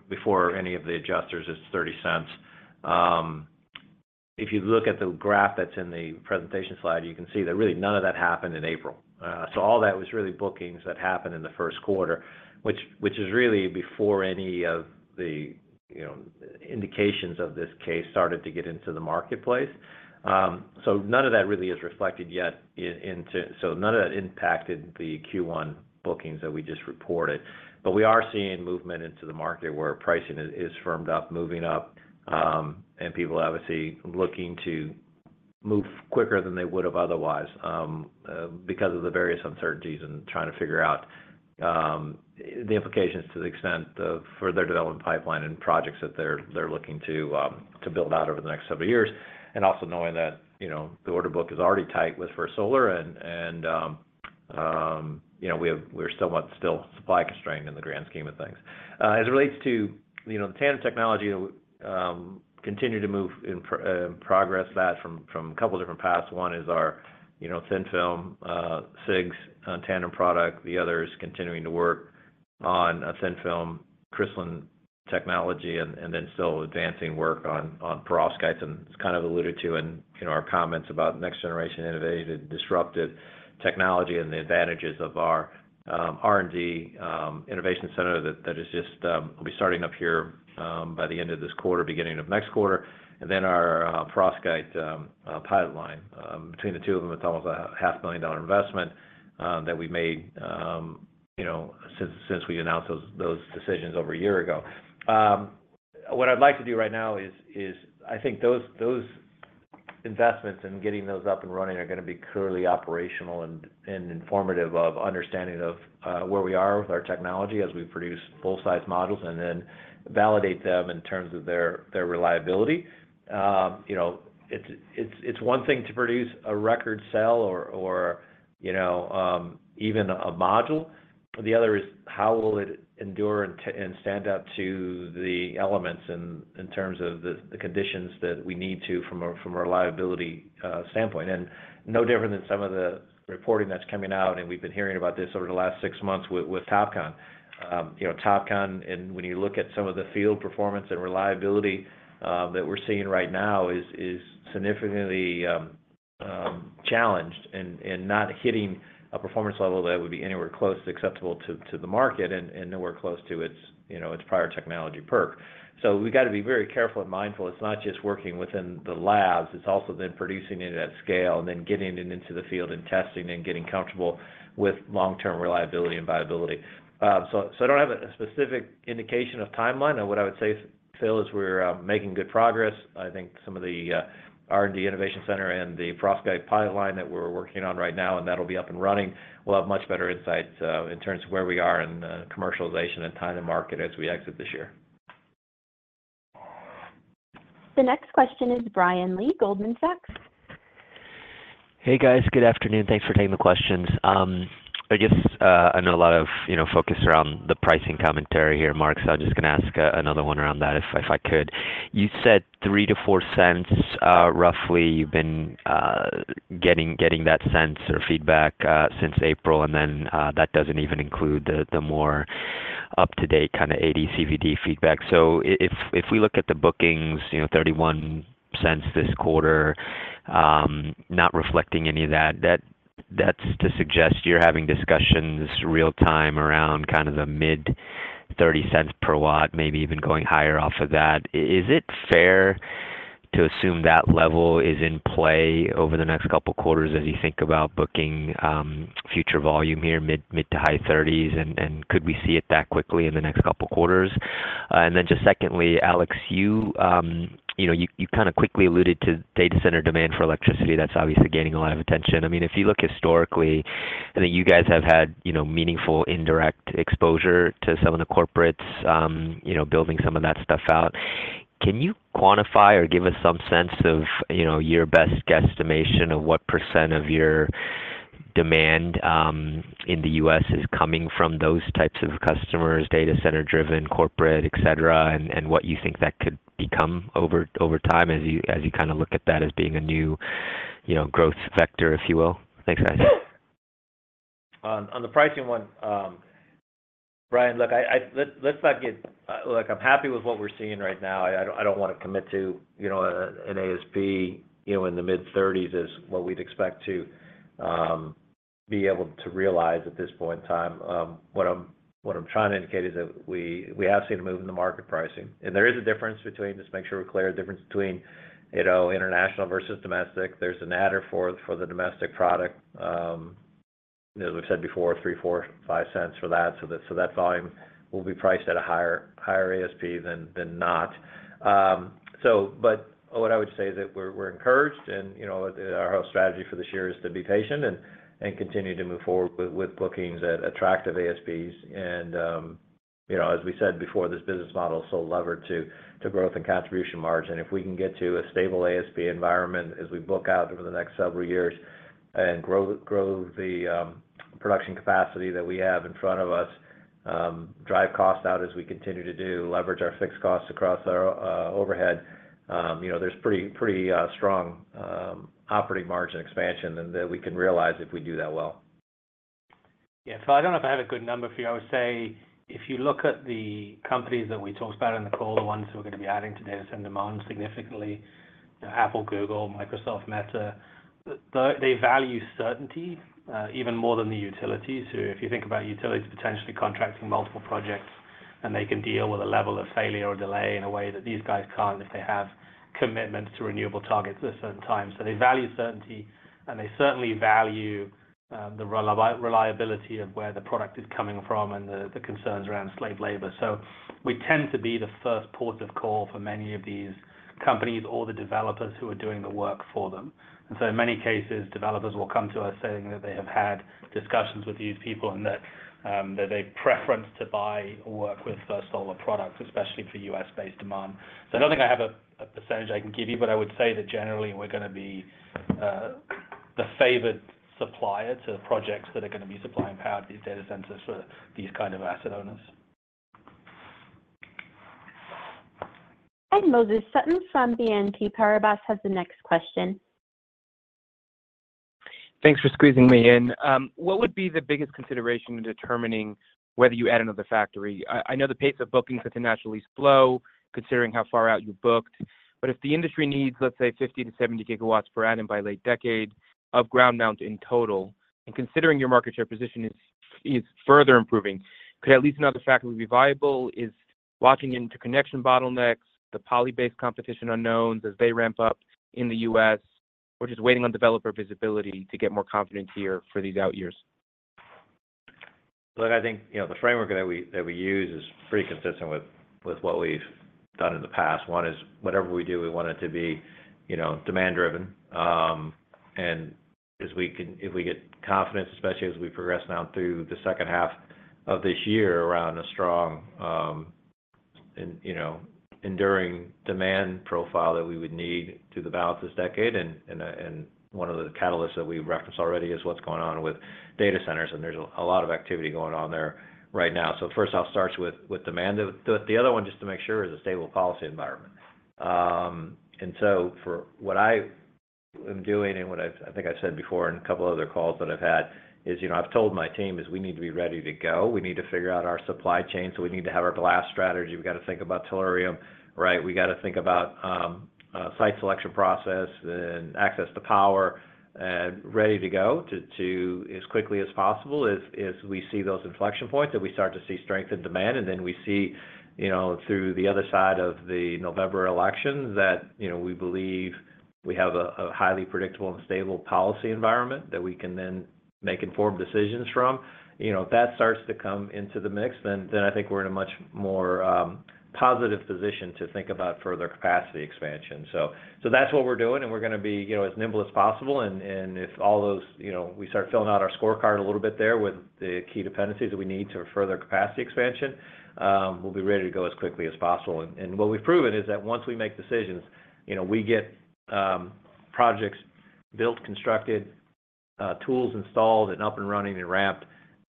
before any of the adjusters, it's $0.30. If you look at the graph that's in the presentation slide, you can see that really none of that happened in April. So all that was really bookings that happened in the first quarter, which is really before any of the indications of this case started to get into the marketplace. So none of that really is reflected yet, so none of that impacted the Q1 bookings that we just reported. But we are seeing movement into the market where pricing is firmed up, moving up, and people, obviously, looking to move quicker than they would have otherwise because of the various uncertainties and trying to figure out the implications to the extent for their development pipeline and projects that they're looking to build out over the next several years, and also knowing that the order book is already tight with First Solar, and we're somewhat still supply constrained in the grand scheme of things. As it relates to the tandem technology, we continue to make progress on that from a couple of different paths. One is our thin-film CIGS tandem product. The other is continuing to work on a thin-film crystalline technology and then still advancing work on perovskites. It's kind of alluded to in our comments about next-generation innovative disruptive technology and the advantages of our R&D Innovation Center that is just we'll be starting up here by the end of this quarter, beginning of next quarter, and then our perovskite pilot line. Between the two of them, it's almost a $500,000 investment that we made since we announced those decisions over a year ago. What I'd like to do right now is I think those investments and getting those up and running are going to be clearly operational and informative of understanding of where we are with our technology as we produce full-size modules and then validate them in terms of their reliability. It's one thing to produce a record cell or even a module. The other is how will it endure and stand up to the elements in terms of the conditions that we need to from a reliability standpoint? And no different than some of the reporting that's coming out, and we've been hearing about this over the last six months with TOPCon. TOPCon, when you look at some of the field performance and reliability that we're seeing right now, is significantly challenged and not hitting a performance level that would be anywhere close to acceptable to the market and nowhere close to its prior technology PERC. So we've got to be very careful and mindful. It's not just working within the labs. It's also then producing it at scale and then getting it into the field and testing and getting comfortable with long-term reliability and viability. So I don't have a specific indication of timeline. What I would say, Phil, is we're making good progress. I think some of the R&D Innovation Center and the perovskite pilot line that we're working on right now, and that'll be up and running, will have much better insights in terms of where we are in commercialization and time to market as we exit this year. The next question is Brian Lee, Goldman Sachs. Hey, guys. Good afternoon. Thanks for taking the questions. I guess I know a lot of focus around the pricing commentary here, Mark. So I'm just going to ask another one around that if I could. You said $0.03-$0.04, roughly. You've been getting that sense or feedback since April, and then that doesn't even include the more up-to-date kind of AD/CVD feedback. So if we look at the bookings, $0.31 this quarter, not reflecting any of that, that's to suggest you're having discussions real-time around kind of the mid-$0.30 per watt, maybe even going higher off of that. Is it fair to assume that level is in play over the next couple of quarters as you think about booking future volume here, mid- to high-30s? And could we see it that quickly in the next couple of quarters? And then just secondly, Alex, you kind of quickly alluded to data center demand for electricity. That's obviously gaining a lot of attention. I mean, if you look historically, I think you guys have had meaningful indirect exposure to some of the corporates building some of that stuff out. Can you quantify or give us some sense of your best guesstimation of what % of your demand in the U.S. is coming from those types of customers, data center-driven, corporate, etc., and what you think that could become over time as you kind of look at that as being a new growth vector, if you will? Thanks, guys. On the pricing one, Brian, look, let's not get look, I'm happy with what we're seeing right now. I don't want to commit to an ASP in the mid-30s as what we'd expect to be able to realize at this point in time. What I'm trying to indicate is that we have seen a move in the market pricing. And there is a difference between just to make sure we're clear, a difference between international versus domestic. There's an adder for the domestic product, as we've said before, $0.03-$0.05 for that. So that volume will be priced at a higher ASP than not. But what I would say is that we're encouraged, and our whole strategy for this year is to be patient and continue to move forward with bookings at attractive ASPs. And as we said before, this business model is so levered to growth and contribution margin. If we can get to a stable ASP environment as we book out over the next several years and grow the production capacity that we have in front of us, drive cost out as we continue to do, leverage our fixed costs across our overhead, there's pretty strong operating margin expansion that we can realize if we do that well. Yeah. Phil, I don't know if I have a good number for you. I would say if you look at the companies that we talked about in the call, the ones that we're going to be adding to data center demand significantly, Apple, Google, Microsoft, Meta, they value certainty even more than the utilities. So if you think about utilities potentially contracting multiple projects and they can deal with a level of failure or delay in a way that these guys can't if they have commitments to renewable targets at certain times. So they value certainty, and they certainly value the reliability of where the product is coming from and the concerns around slave labor. So we tend to be the first port of call for many of these companies or the developers who are doing the work for them. So in many cases, developers will come to us saying that they have had discussions with these people and that they preference to buy or work with First Solar products, especially for U.S.-based demand. I don't think I have a percentage I can give you, but I would say that generally, we're going to be the favored supplier to projects that are going to be supplying power to these data centers for these kind of asset owners. Moses Sutton from BNP Paribas has the next question. Thanks for squeezing me in. What would be the biggest consideration in determining whether you add another factory? I know the pace of bookings naturally flows, considering how far out you booked. But if the industry needs, let's say, 50 GW-70 GW per annum by late decade of ground mount in total, and considering your market share position is further improving, could at least another factory be viable? Are you watching into connection bottlenecks, the poly-based competition unknowns as they ramp up in the U.S., or just waiting on developer visibility to get more confidence here for these out years? Look, I think the framework that we use is pretty consistent with what we've done in the past. One is whatever we do, we want it to be demand-driven. And if we get confidence, especially as we progress now through the second half of this year around a strong enduring demand profile that we would need to the balance of this decade and one of the catalysts that we referenced already is what's going on with data centers, and there's a lot of activity going on there right now. So first, I'll start with demand. The other one, just to make sure, is a stable policy environment. And so for what I am doing and what I think I've said before in a couple of other calls that I've had is I've told my team we need to be ready to go. We need to figure out our supply chain. So we need to have our glass strategy. We've got to think about tellurium, right? We've got to think about site selection process and access to power and ready to go as quickly as possible as we see those inflection points that we start to see strength in demand. And then we see through the other side of the November election that we believe we have a highly predictable and stable policy environment that we can then make informed decisions from. If that starts to come into the mix, then I think we're in a much more positive position to think about further capacity expansion. So that's what we're doing, and we're going to be as nimble as possible. And if all those we start filling out our scorecard a little bit there with the key dependencies that we need to further capacity expansion, we'll be ready to go as quickly as possible. What we've proven is that once we make decisions, we get projects built, constructed, tools installed, and up and running and ramped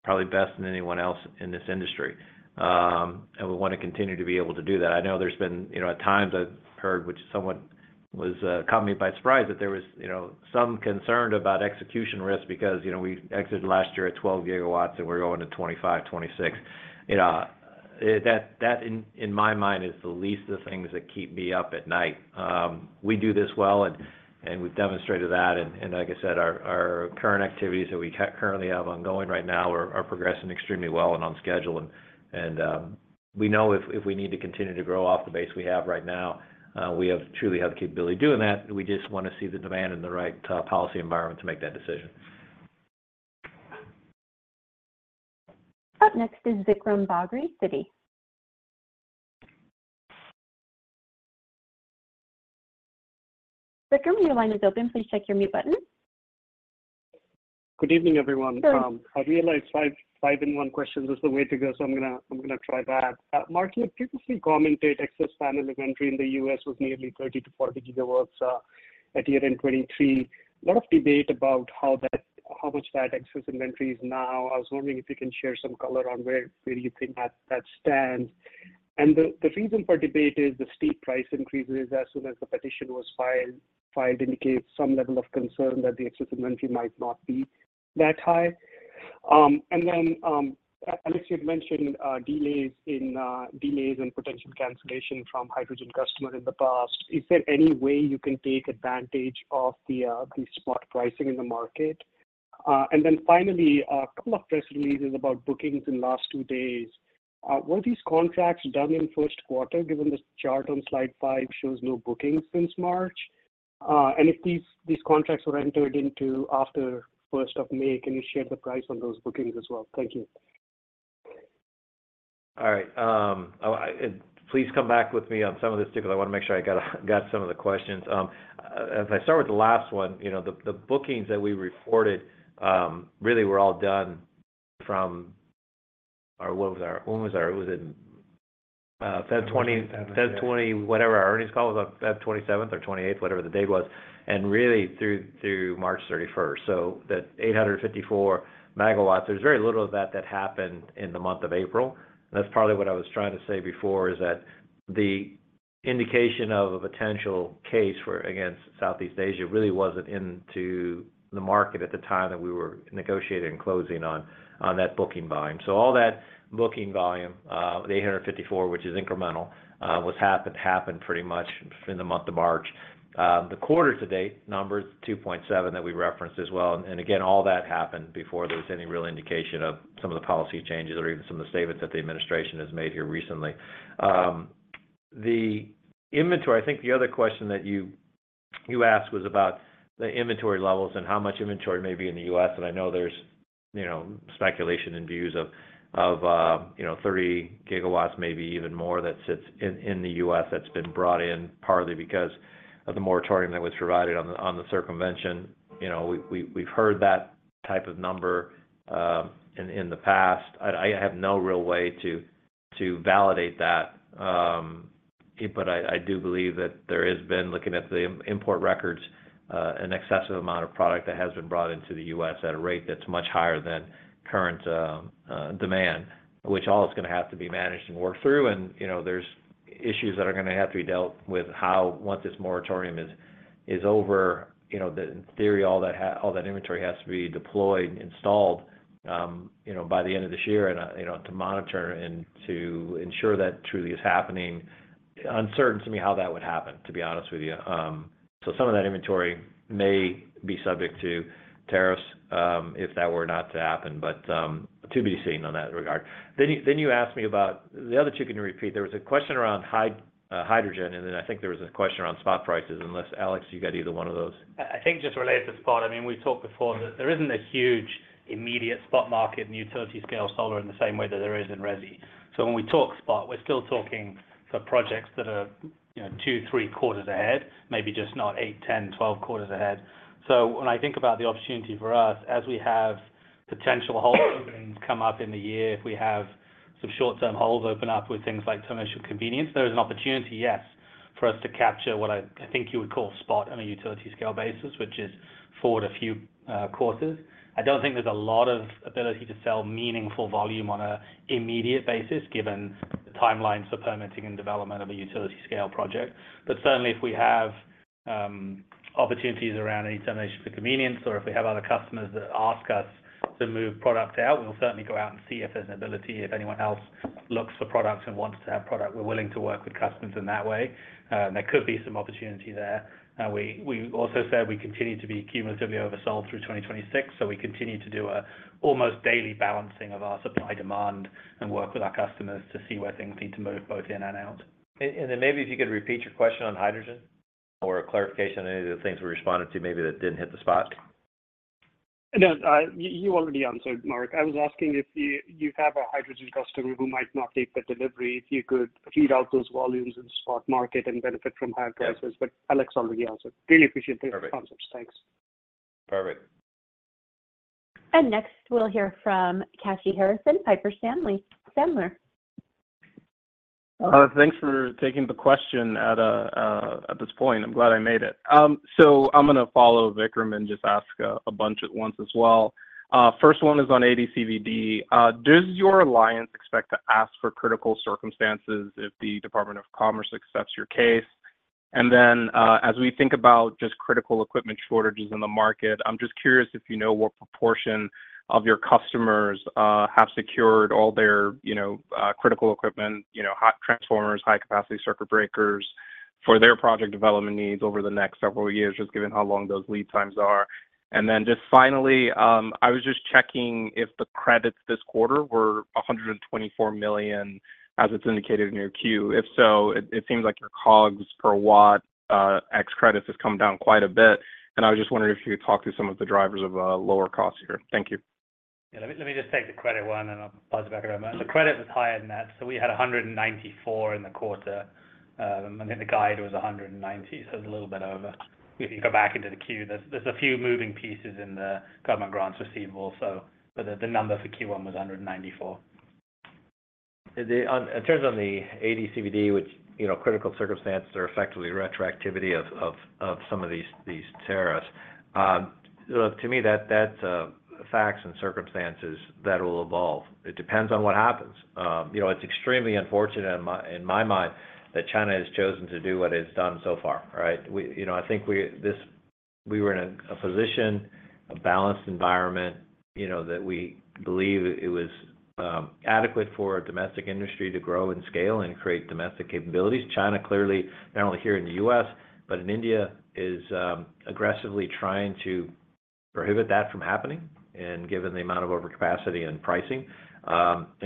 probably best than anyone else in this industry. We want to continue to be able to do that. I know there's been at times I've heard, which somewhat was caught me by surprise, that there was some concern about execution risk because we exited last year at 12 GW, and we're going to 25-26. That, in my mind, is the least of the things that keep me up at night. We do this well, and we've demonstrated that. Like I said, our current activities that we currently have ongoing right now are progressing extremely well and on schedule. We know if we need to continue to grow off the base we have right now, we truly have the capability of doing that. We just want to see the demand in the right policy environment to make that decision. Up next is Vikram Bagri, Citi. Vikram, your line is open. Please check your mute button. Good evening, everyone. I realize five-in-one questions is the way to go, so I'm going to try that. Mark, you've previously commented excess panel inventory in the U.S. was nearly 30 GW-40 GW at year-end 2023. A lot of debate about how much that excess inventory is now. I was wondering if you can share some color on where you think that stands. And the reason for debate is the steep price increases as soon as the petition was filed indicate some level of concern that the excess inventory might not be that high. And then, Alex, you'd mentioned delays and potential cancellation from hydrogen customers in the past. Is there any way you can take advantage of the spot pricing in the market? Then finally, a couple of press releases about bookings in the last two days. Were these contracts done in first quarter, given the chart on slide 5 shows no bookings since March? And if these contracts were entered into after first of May, can you share the price on those bookings as well? Thank you. All right. Please come back with me on some of this because I want to make sure I got some of the questions. If I start with the last one, the bookings that we reported really were all done from our earnings call. It was in February 2020, whatever our earnings call was on February 27th or 28th, whatever the date was, and really through March 31st. So that 854 MW, there's very little of that that happened in the month of April. And that's partly what I was trying to say before, is that the indication of a potential case against Southeast Asia really wasn't into the market at the time that we were negotiating and closing on that booking volume. So all that booking volume, the 854, which is incremental, happened pretty much in the month of March. The quarter-to-date number is 2.7 that we referenced as well. And again, all that happened before there was any real indication of some of the policy changes or even some of the statements that the administration has made here recently. I think the other question that you asked was about the inventory levels and how much inventory may be in the U.S. I know there's speculation and views of 30 GW, maybe even more that sits in the U.S. that's been brought in partly because of the moratorium that was provided on the circumvention. We've heard that type of number in the past. I have no real way to validate that, but I do believe that there has been, looking at the import records, an excessive amount of product that has been brought into the U.S. at a rate that's much higher than current demand, which all is going to have to be managed and worked through. And there's issues that are going to have to be dealt with once this moratorium is over. In theory, all that inventory has to be deployed, installed by the end of this year to monitor and to ensure that truly is happening. Uncertain to me how that would happen, to be honest with you. So some of that inventory may be subject to tariffs if that were not to happen, but to be seen on that regard. Then you asked me about the other two. Can you repeat? There was a question around hydrogen, and then I think there was a question around spot prices. Unless, Alex, you've got either one of those. I think just related to spot. I mean, we've talked before that there isn't a huge immediate spot market in utility-scale solar in the same way that there is in resi. So when we talk spot, we're still talking for projects that are two, three quarters ahead, maybe just not eight, 10, 12 quarters ahead. When I think about the opportunity for us, as we have potential hold openings come up in the year, if we have some short-term holds open up with things like termination for convenience, there is an opportunity, yes, for us to capture what I think you would call spot on a utility-scale basis, which is forward a few quarters. I don't think there's a lot of ability to sell meaningful volume on an immediate basis given the timelines for permitting and development of a utility-scale project. But certainly, if we have opportunities around any termination for convenience or if we have other customers that ask us to move product out, we'll certainly go out and see if there's an ability. If anyone else looks for products and wants to have product, we're willing to work with customers in that way. There could be some opportunity there. We also said we continue to be cumulatively oversold through 2026, so we continue to do an almost daily balancing of our supply-demand and work with our customers to see where things need to move both in and out. Then maybe if you could repeat your question on hydrogen or a clarification on any of the things we responded to maybe that didn't hit the spot. No, you already answered, Mark. I was asking if you have a hydrogen customer who might not take the delivery, if you could feed out those volumes in the spot market and benefit from higher prices. But Alex already answered. Really appreciate those concepts. Thanks. Perfect. And next, we'll hear from Kashy Harrison, Piper Sandler. Thanks for taking the question at this point. I'm glad I made it. So I'm going to follow Vikram and just ask a bunch at once as well. First one is on AD/CVD. Does your alliance expect to ask for critical circumstances if the Department of Commerce accepts your case? And then as we think about just critical equipment shortages in the market, I'm just curious if you know what proportion of your customers have secured all their critical equipment, hot transformers, high-capacity circuit breakers, for their project development needs over the next several years, just given how long those lead times are. And then just finally, I was just checking if the credits this quarter were $124 million as it's indicated in your 10-Q. If so, it seems like your COGS per watt 45X credit has come down quite a bit. And I was just wondering if you could talk to some of the drivers of a lower cost here. Thank you. Yeah, let me just take the credit one, and I'll pass it back a moment. The credit was higher than that. So we had 194 in the quarter. I think the guide was 190, so it was a little bit over. If you go back into the Q, there's a few moving pieces in the government grants receivable, but the number for Q1 was 194. In terms of the AD/CVD, which critical circumstances are effectively retroactivity of some of these tariffs, to me, that's facts and circumstances that will evolve. It depends on what happens. It's extremely unfortunate, in my mind, that China has chosen to do what it has done so far, right? I think we were in a position, a balanced environment, that we believe it was adequate for a domestic industry to grow and scale and create domestic capabilities. China clearly, not only here in the U.S., but in India, is aggressively trying to prohibit that from happening given the amount of overcapacity and pricing.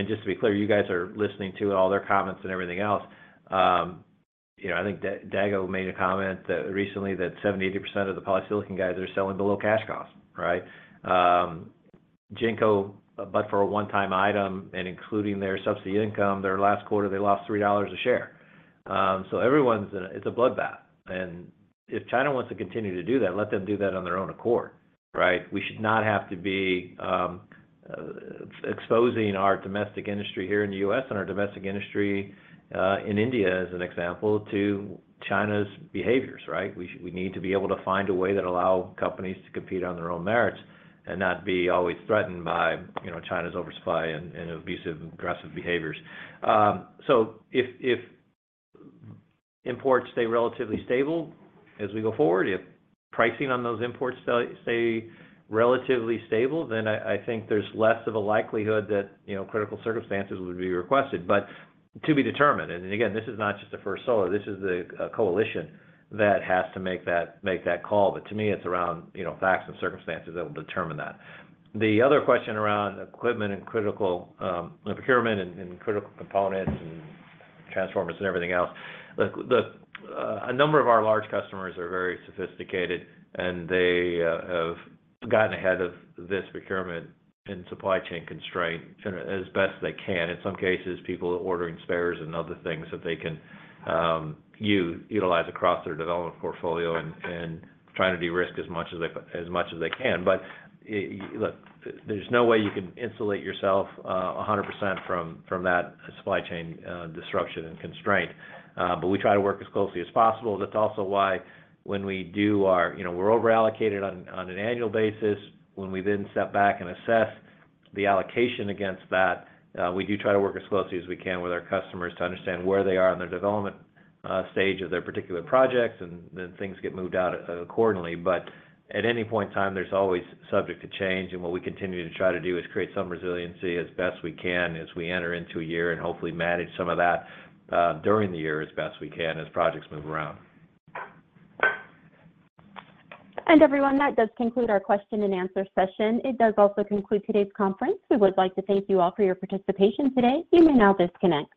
Just to be clear, you guys are listening to all their comments and everything else. I think Daqo made a comment recently that 70%-80% of the polysilicon guys are selling below cash cost, right? JinkoSolar, but for a one-time item and including their subsidy income, their last quarter, they lost $3 a share. So it's a bloodbath. And if China wants to continue to do that, let them do that on their own accord, right? We should not have to be exposing our domestic industry here in the U.S. and our domestic industry in India, as an example, to China's behaviors, right? We need to be able to find a way that allows companies to compete on their own merits and not be always threatened by China's oversupply and abusive, aggressive behaviors. So if imports stay relatively stable as we go forward, if pricing on those imports stay relatively stable, then I think there's less of a likelihood that critical circumstances would be requested, but to be determined. And again, this is not just the First Solar. This is the coalition that has to make that call. But to me, it's around facts and circumstances that will determine that. The other question around equipment and critical procurement and critical components and transformers and everything else, a number of our large customers are very sophisticated, and they have gotten ahead of this procurement and supply chain constraint as best they can. In some cases, people are ordering spares and other things that they can utilize across their development portfolio and trying to de-risk as much as they can. But look, there's no way you can insulate yourself 100% from that supply chain disruption and constraint. But we try to work as closely as possible. That's also why when we do our, we're overallocated on an annual basis. When we then step back and assess the allocation against that, we do try to work as closely as we can with our customers to understand where they are on their development stage of their particular projects, and then things get moved out accordingly. But at any point in time, there's always subject to change. What we continue to try to do is create some resiliency as best we can as we enter into a year and hopefully manage some of that during the year as best we can as projects move around. Everyone, that does conclude our question-and-answer session. It does also conclude today's conference. We would like to thank you all for your participation today. You may now disconnect.